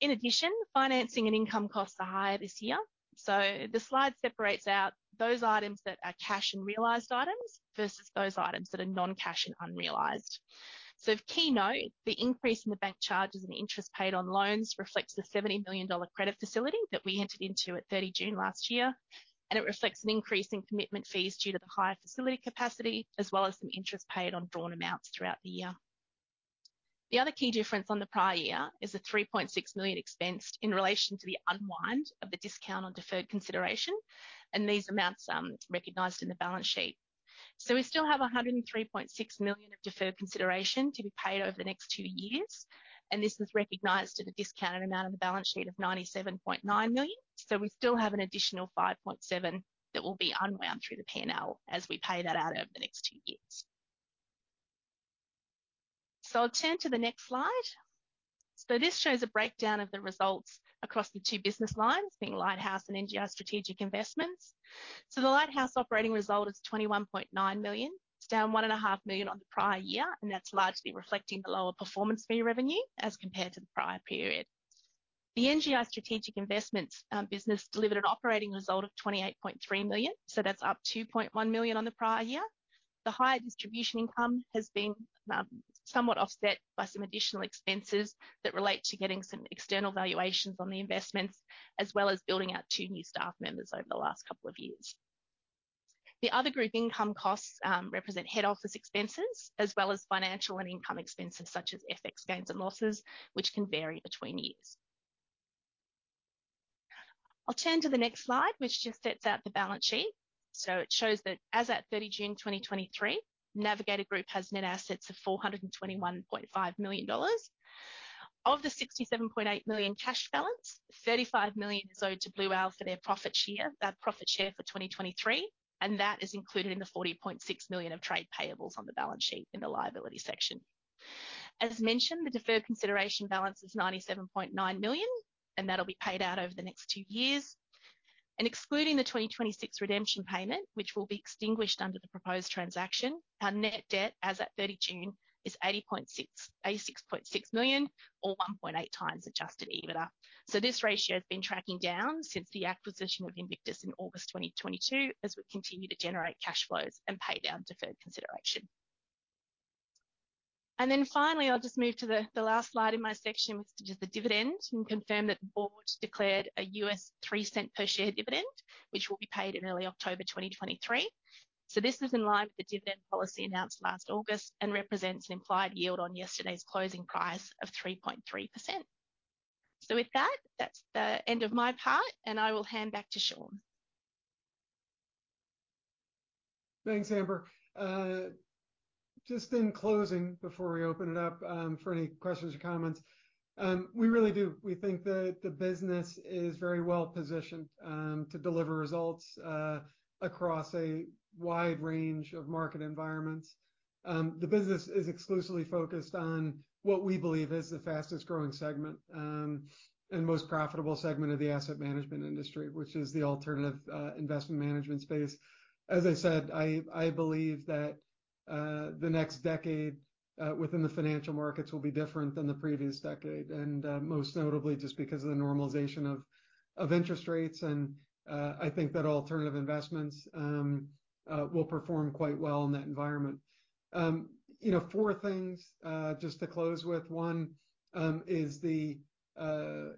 In addition, financing and income costs are higher this year, so the slide separates out those items that are cash and realized items versus those items that are non-cash and unrealized. Of key note, the increase in the bank charges and interest paid on loans reflects the $70 million credit facility that we entered into at 30 June last year, and it reflects an increase in commitment fees due to the higher facility capacity, as well as some interest paid on drawn amounts throughout the year. The other key difference on the prior year is the $3.6 million expense in relation to the unwind of the discount on deferred consideration, these amounts recognized in the balance sheet. We still have $103.6 million of deferred consideration to be paid over the next two years, and this is recognized at a discounted amount on the balance sheet of $97.9 million. We still have an additional $5.7 that will be unwound through the P&L as we pay that out over the next two years. I'll turn to the next slide. This shows a breakdown of the results across the two business lines, being Lighthouse and NGI Strategic Investments. The Lighthouse operating result is $21.9 million. It's down $1.5 million on the prior year, and that's largely reflecting the lower performance fee revenue as compared to the prior period. The NGI Strategic Investments business delivered an operating result of 28.3 million, that's up 2.1 million on the prior year. The higher distribution income has been somewhat offset by some additional expenses that relate to getting some external valuations on the investments, as well as building out two new staff members over the last couple of years. The other group, income costs, represent head office expenses as well as financial and income expenses, such as FX gains and losses, which can vary between years. I'll turn to the next slide, which just sets out the balance sheet. It shows that as at 30 June 2023, Navigator Group has net assets of 421.5 million dollars. Of the $67.8 million cash balance, $35 million is owed to Blue Owl for their profit share, that profit share for 2023, and that is included in the $40.6 million of trade payables on the balance sheet in the liability section. As mentioned, the deferred consideration balance is $97.9 million, and that'll be paid out over the next two years. Excluding the 2026 redemption payment, which will be extinguished under the proposed transaction, our net debt as at 30 June is $86.6 million or 1.8x Adjusted EBITDA. This ratio has been tracking down since the acquisition of Invictus in August 2022, as we continue to generate cash flows and pay down deferred consideration. Finally, I'll just move to the, the last slide in my section, which is the dividend, and confirm that the board declared a U.S. $0.03 per share dividend, which will be paid in early October 2023. This is in line with the dividend policy announced last August and represents an implied yield on yesterday's closing price of 3.3%. With that, that's the end of my part, and I will hand back to Sean. Thanks, Amber. Just in closing, before we open it up, for any questions or comments, we really do. We think that the business is very well positioned to deliver results across a wide range of market environments. The business is exclusively focused on what we believe is the fastest growing segment and most profitable segment of the asset management industry, which is the alternative investment management space. As I said, I, I believe that the next decade within the financial markets will be different than the previous decade, and most notably just because of the normalization of interest rates. I think that alternative investments will perform quite well in that environment. You know, four things just to close with. One, is the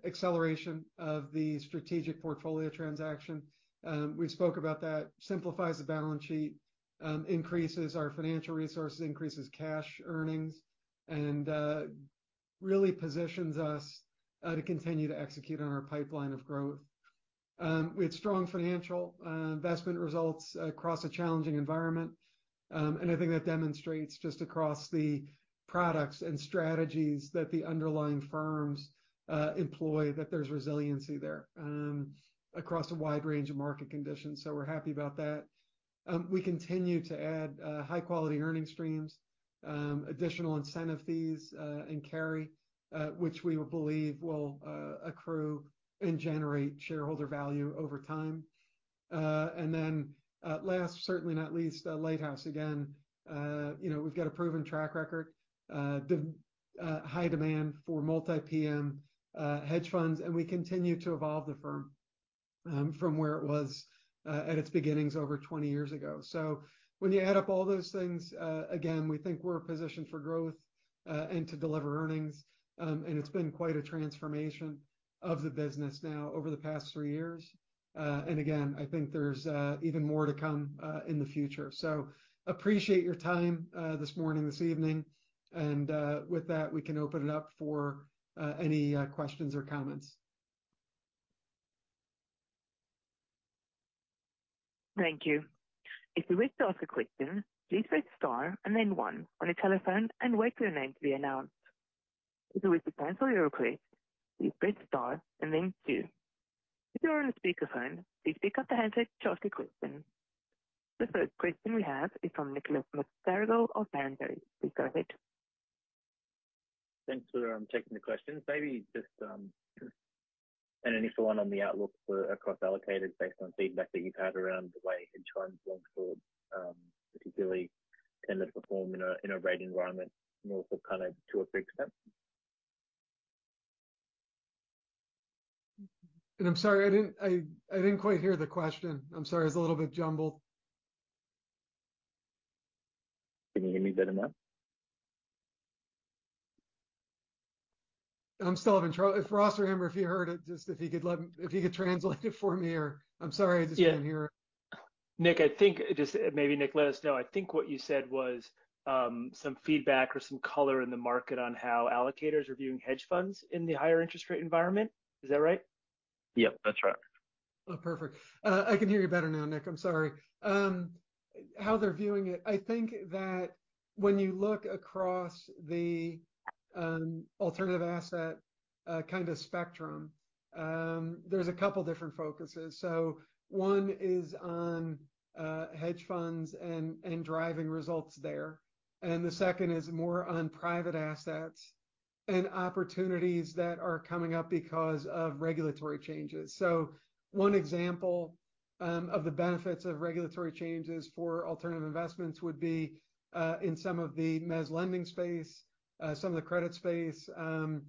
acceleration of the strategic portfolio transaction. We spoke about that. Simplifies the balance sheet, increases our financial resources, increases cash earnings, and really positions us to continue to execute on our pipeline of growth. We had strong financial investment results across a challenging environment, and I think that demonstrates just across the products and strategies that the underlying firms employ, that there's resiliency there across a wide range of market conditions. We're happy about that. We continue to add high-quality earning streams, additional incentive fees, and carry, which we believe will accrue and generate shareholder value over time. Last, certainly not least, Lighthouse. You know, we've got a proven track record, high demand for multi-PM hedge funds, and we continue to evolve the firm from where it was at its beginnings over 20 years ago. When you add up all those things, again, we think we're positioned for growth and to deliver earnings. It's been quite a transformation of the business now over the past three years. Again, I think there's even more to come in the future. Appreciate your time this morning, this evening, and with that, we can open it up for any questions or comments. Thank you. If you wish to ask a question, please press Star and then 1 on your telephone and wait for your name to be announced. If you wish to cancel your request, please press Star and then 2. If you are on a speakerphone, please pick up the handset to ask your question. The first question we have is from Nicholas McCarrel of Bernstein. Please go ahead. Thanks for taking the questions. Maybe just, and an initial one on the outlook for across allocators based on feedback that you've had around the way hedge funds look for, particularly tend to perform in a, in a rate environment more so kind of to a fixed extent? I'm sorry, I didn't, I, I didn't quite hear the question. I'm sorry, it's a little bit jumbled. Can you hear me better now? I'm still having. If Ross or Amber, if you heard it, just if you could let me? If you could translate it for me or? I'm sorry, I just couldn't hear it. Nick, I think just maybe, Nick, let us know. I think what you said was, some feedback or some color in the market on how allocators are viewing hedge funds in the higher interest rate environment. Is that right? Yep, that's right. Oh, perfect. I can hear you better now, Nick. I'm sorry, how they're viewing it. I think that when you look across the alternative asset kind of spectrum, there's a couple different focuses. One is on hedge funds and, and driving results there, and the second is more on private assets and opportunities that are coming up because of regulatory changes. One example of the benefits of regulatory changes for alternative investments would be in some of the mezzanine lending space, some of the credit space, the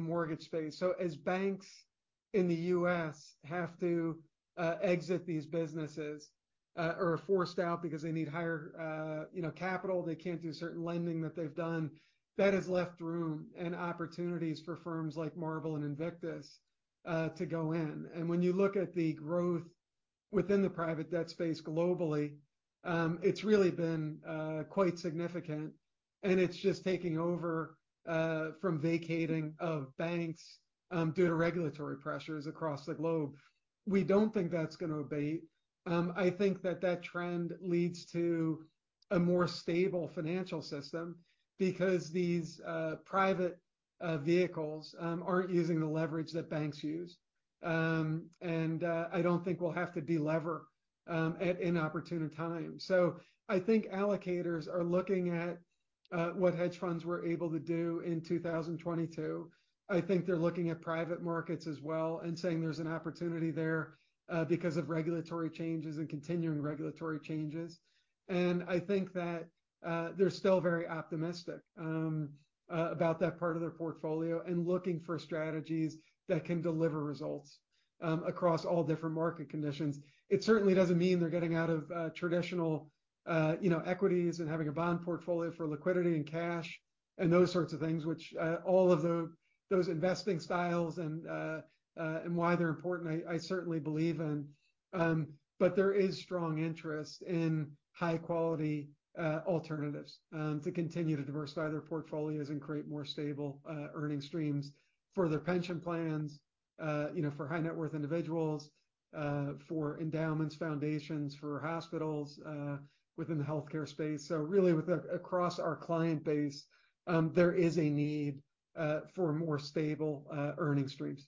mortgage space. As banks in the U.S. have to exit these businesses or are forced out because they need higher, you know, capital, they can't do certain lending that they've done, that has left room and opportunities for firms like Marble and Invictus to go in. When you look at the growth within the private debt space globally, it's really been quite significant, and it's just taking over from vacating of banks due to regulatory pressures across the globe. We don't think that's gonna abate. I think that that trend leads to a more stable financial system because these private vehicles aren't using the leverage that banks use. I don't think we'll have to de-lever at inopportune times. I think allocators are looking at what hedge funds were able to do in 2022. I think they're looking at private markets as well and saying there's an opportunity there because of regulatory changes and continuing regulatory changes. I think that they're still very optimistic about that part of their portfolio and looking for strategies that can deliver results across all different market conditions. It certainly doesn't mean they're getting out of traditional, you know, equities and having a bond portfolio for liquidity and cash and those sorts of things, which all of the, those investing styles and why they're important, I, I certainly believe in. There is strong interest in high quality alternatives to continue to diversify their portfolios and create more stable earning streams for their pension plans, you know, for high net worth individuals, for endowments, foundations, for hospitals within the healthcare space. Really, across our client base, there is a need for more stable earning streams.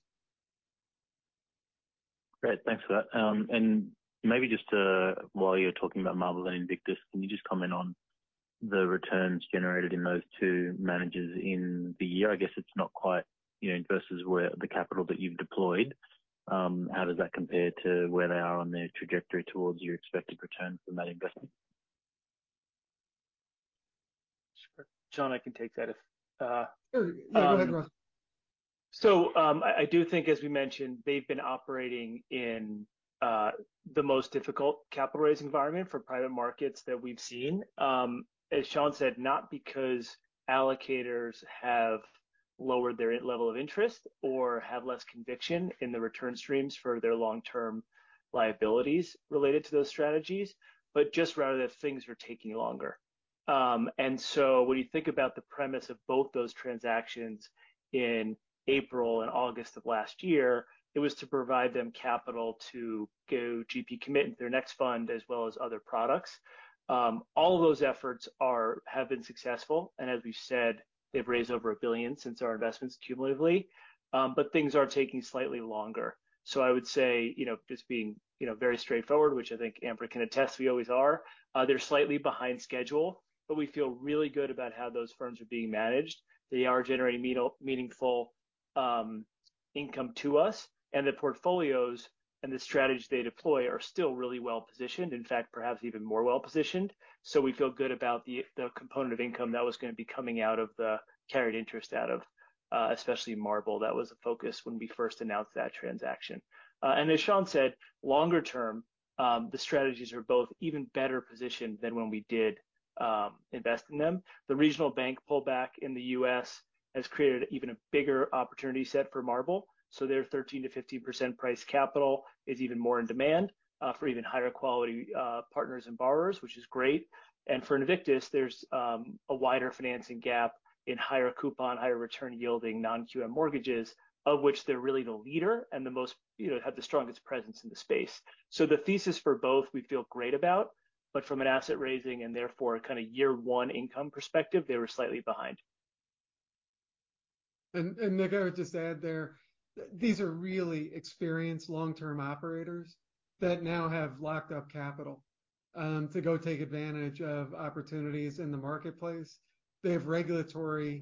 Great. Thanks for that. Maybe just to, while you're talking about Marble Capital and Invictus, can you just comment on the returns generated in those two managers in the year? I guess it's not quite, you know, versus where the capital that you've deployed. How does that compare to where they are on their trajectory towards your expected return from that investment? Sure. Sean, I can take that if. Sure. Yeah, go ahead, Ross. I do think, as we mentioned, they've been operating in the most difficult capital raise environment for private markets that we've seen. As Sean said, not because allocators have lowered their level of interest or have less conviction in the return streams for their long-term liabilities related to those strategies, but just rather that things are taking longer. When you think about the premise of both those transactions in April and August of last year, it was to provide them capital to go GP commitment to their next fund, as well as other products. All of those efforts are, have been successful, and as we've said, they've raised over 1 billion since our investments cumulatively. Things are taking slightly longer. I would say, you know, just being, you know, very straightforward, which I think Amber can attest, we always are, they're slightly behind schedule, but we feel really good about how those firms are being managed. They are generating meaningful income to us, and the portfolios and the strategies they deploy are still really well positioned, in fact, perhaps even more well positioned. We feel good about the, the component of income that was gonna be coming out of the carried interest out of, especially Marble. That was a focus when we first announced that transaction. And as Sean said, longer term, the strategies are both even better positioned than when we did invest in them. The regional bank pullback in the U.S. has created even a bigger opportunity set for Marble, so their 13%-15% priced capital is even more in demand, for even higher quality, partners and borrowers, which is great. For Invictus, there's a wider financing gap in higher coupon, higher return yielding, Non-QM mortgages, of which they're really the leader and the most, you know, have the strongest presence in the space. The thesis for both we feel great about, but from an asset raising and therefore a kind of year one income perspective, they were slightly behind. Nick, I would just add there, these are really experienced long-term operators that now have locked up capital to go take advantage of opportunities in the marketplace. They have regulatory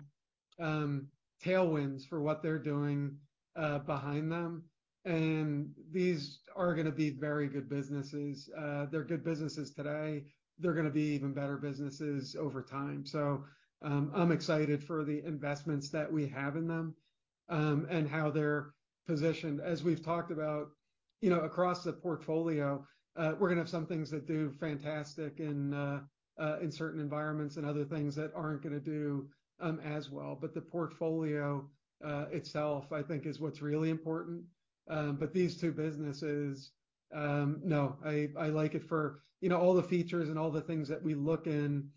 tailwinds for what they're doing behind them, and these are gonna be very good businesses. They're good businesses today. They're gonna be even better businesses over time. I'm excited for the investments that we have in them and how they're positioned. As we've talked about, you know, across the portfolio, we're gonna have some things that do fantastic in certain environments and other things that aren't gonna do as well. The portfolio itself, I think is what's really important. These 2 businesses, no, I, I like it for, you know, all the features and all the things that we look in,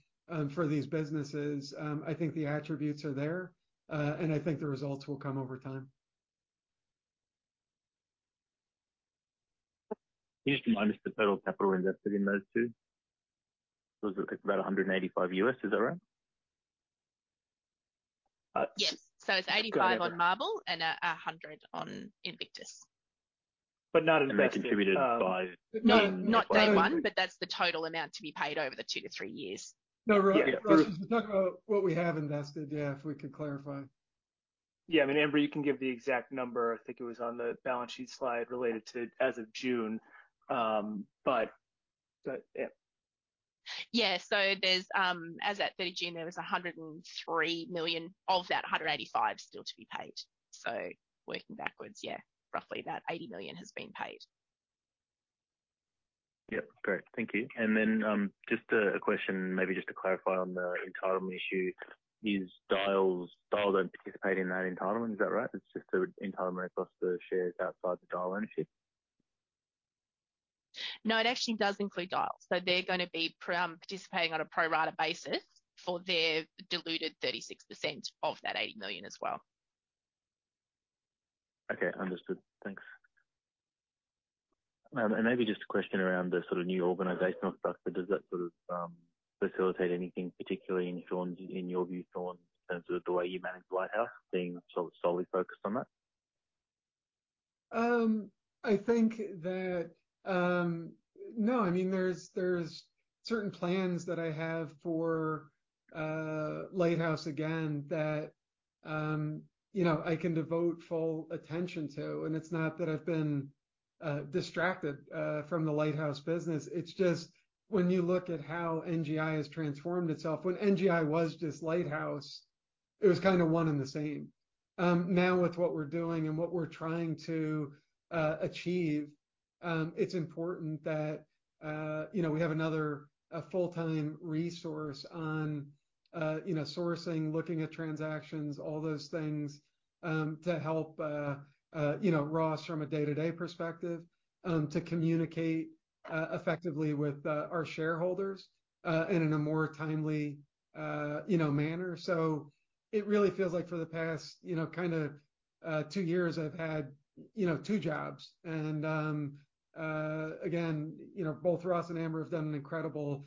for these businesses, I think the attributes are there, and I think the results will come over time. Can you just remind us the total capital invested in those two? Was it about $185, is that right? Yes. It's 85 on Marble and 100 on Invictus. not invested. They're contributed by. No, not day one, but that's the total amount to be paid over the two to three years. No, Ross, to talk about what we have invested, yeah, if we could clarify. Yeah, I mean, Amber, you can give the exact number. I think it was on the balance sheet slide related to as of June, but, but yeah. Yeah. There's, as at 30 June, there was 103 million of that 185 million still to be paid. Working backwards, yeah, roughly about 80 million has been paid. Yep, great. Thank you. Then, just a question, maybe just to clarify on the entitlement issue. Is Dyal's, Dyal don't participate in that entitlement, is that right? It's just the entitlement across the shares outside the Dyal ownership? No, it actually does include Dyal. They're gonna be participating on a pro rata basis for their diluted 36% of that $80 million as well. Okay, understood. Thanks. Maybe just a question around the sort of new organizational structure. Does that sort of facilitate anything, particularly in Sean's, in your view, Sean, in terms of the way you manage Lighthouse being so solely focused on that? I think that. No, I mean, there's, there's certain plans that I have for Lighthouse again, that, you know, I can devote full attention to, and it's not that I've been distracted from the Lighthouse business. It's just when you look at how NGI has transformed itself, when NGI was just Lighthouse, it was kind of one and the same. Now with what we're doing and what we're trying to achieve, it's important that, you know, we have another, a full-time resource on, you know, sourcing, looking at transactions, all those things, to help, you know, Ross from a day-to-day perspective, to communicate effectively with our shareholders, and in a more timely, you know, manner. It really feels like for the past, you know, kind of, two years, I've had, you know, two jobs. Again, you know, both Ross and Amber have done an incredible,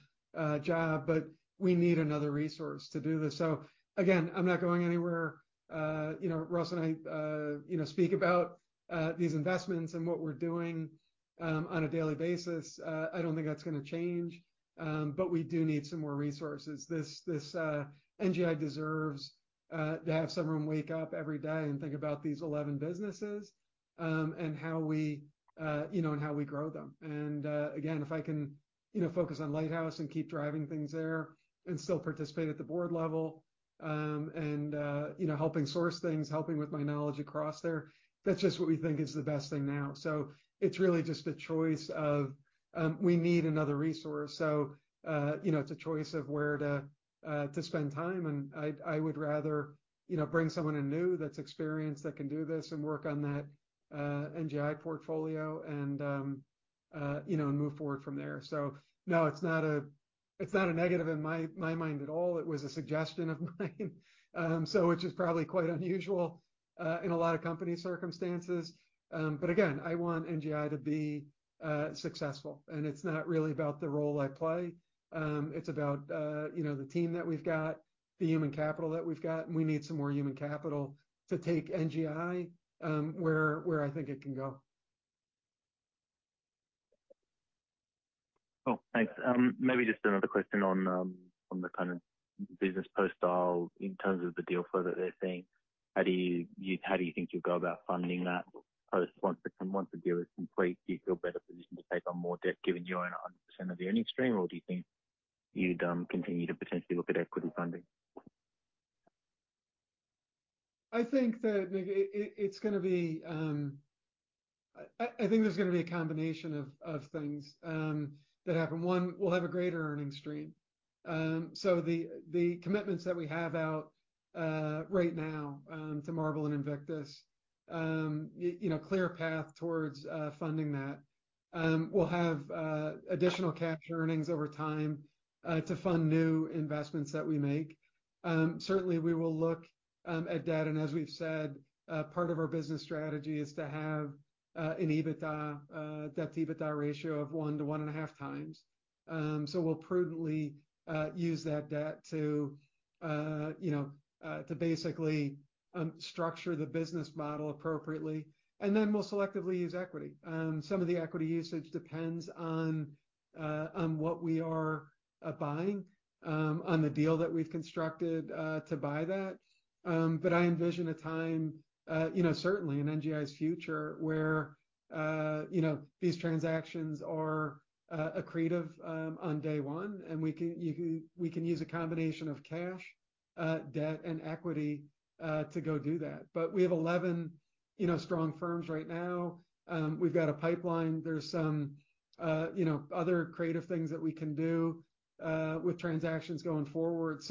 job, but we need another resource to do this. Again, I'm not going anywhere. You know, Ross and I, you know, speak about, these investments and what we're doing, on a daily basis. I don't think that's gonna change, but we do need some more resources. This, this, NGI deserves, to have someone wake up every day and think about these 11 businesses, and how we, you know, and how we grow them. Again, if I can, you know, focus on Lighthouse and keep driving things there and still participate at the board level, and, you know, helping source things, helping with my knowledge across there, that's just what we think is the best thing now. It's really just a choice of, we need another resource. You know, it's a choice of where to spend time, and I, I would rather, you know, bring someone in new that's experienced, that can do this and work on that NGI portfolio and, you know, and move forward from there. No, it's not a, it's not a negative in my, my mind at all. It was a suggestion of mine, so which is probably quite unusual in a lot of company circumstances. Again, I want NGI to be successful, and it's not really about the role I play. It's about, you know, the team that we've got, the human capital that we've got, and we need some more human capital to take NGI, where, where I think it can go. Cool, thanks. Maybe just another question on, on the kind of business post Dyal in terms of the deal flow that they're seeing? How do you how do you think you'll go about funding that post once the, once the deal is complete? Do you feel better positioned to take on more debt, given your own 100% of the earning stream, or do you think you'd, continue to potentially look at equity funding? I think that it, it, it's gonna be, I, I think there's gonna be a combination of, of things that happen. One, we'll have a greater earning stream. The, the commitments that we have out right now to Marble and Invictus, you know, clear a path towards funding that. We'll have additional capture earnings over time to fund new investments that we make. Certainly, we will look at debt, and as we've said, part of our business strategy is to have an EBITDA debt to EBITDA ratio of 1 to 1.5x. We'll prudently use that debt to, you know, to basically structure the business model appropriately, and then we'll selectively use equity. Some of the equity usage depends on what we are buying on the deal that we've constructed to buy that. I envision a time, you know, certainly in NGI's future, where, you know, these transactions are accretive on day 1, and we can, we can use a combination of cash, debt, and equity to go do that. We have 11, you know, strong firms right now. We've got a pipeline. There's some, you know, other creative things that we can do with transactions going forward.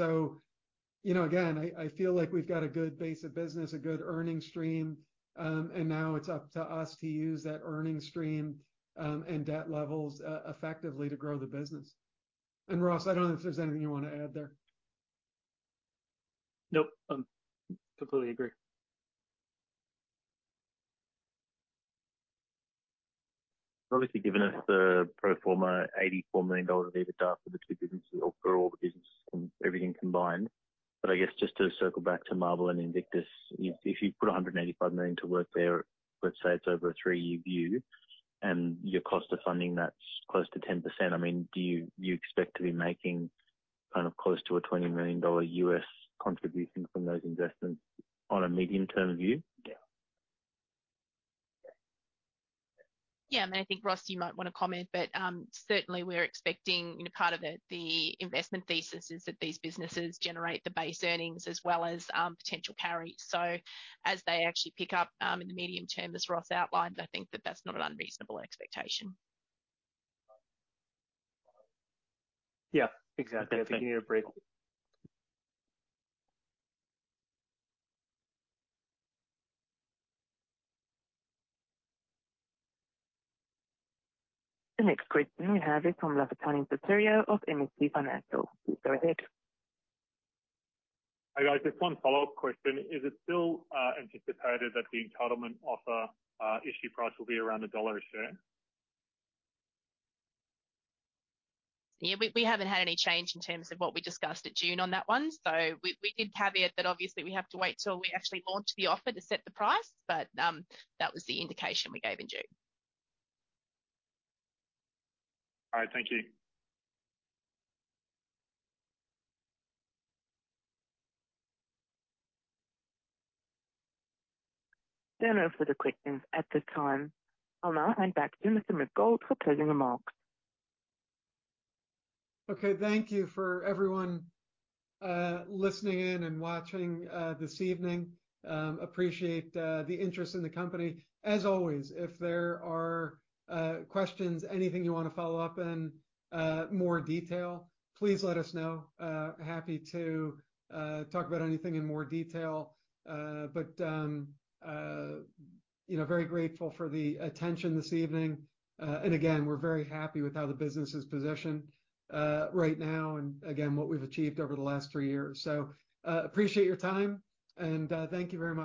You know, again, I, I feel like we've got a good base of business, a good earning stream, and now it's up to us to use that earning stream and debt levels effectively to grow the business. Ross, I don't know if there's anything you want to add there? Nope, completely agree. Obviously, given us the pro forma, $84 million of EBITDA for the two businesses or for all the businesses and everything combined. I guess just to circle back to Marble and Invictus, if, if you put $185 million to work there, let's say it's over a 3-year view and your cost of funding, that's close to 10%. I mean, do you, you expect to be making kind of close to a $20 million U.S. contribution from those investments on a medium-term view? Yeah. I think, Ross, you might want to comment, but certainly we're expecting, you know, part of the, the investment thesis is that these businesses generate the base earnings as well as potential carry. As they actually pick up in the medium term, as Ross outlined, I think that that's not an unreasonable expectation. Yeah, exactly. I think you need to break. The next question we have is from Lafitani Sotiriou of MST Financial. Please go ahead. Hi, guys. Just one follow-up question. Is it still anticipated that the entitlement offer issue price will be around AUD 1 a share? Yeah, we, we haven't had any change in terms of what we discussed at June on that one. We, we did caveat that obviously we have to wait till we actually launch the offer to set the price, but that was the indication we gave in June. All right. Thank you. That's all for the questions at this time. I'll now hand back to Mr. McGould for closing remarks. Okay, thank you for everyone, listening in and watching, this evening. Appreciate the interest in the company. As always, if there are questions, anything you want to follow up in more detail, please let us know. Happy to talk about anything in more detail. You know, very grateful for the attention this evening. Again, we're very happy with how the business is positioned right now and again, what we've achieved over the last three years. Appreciate your time, and thank you very much.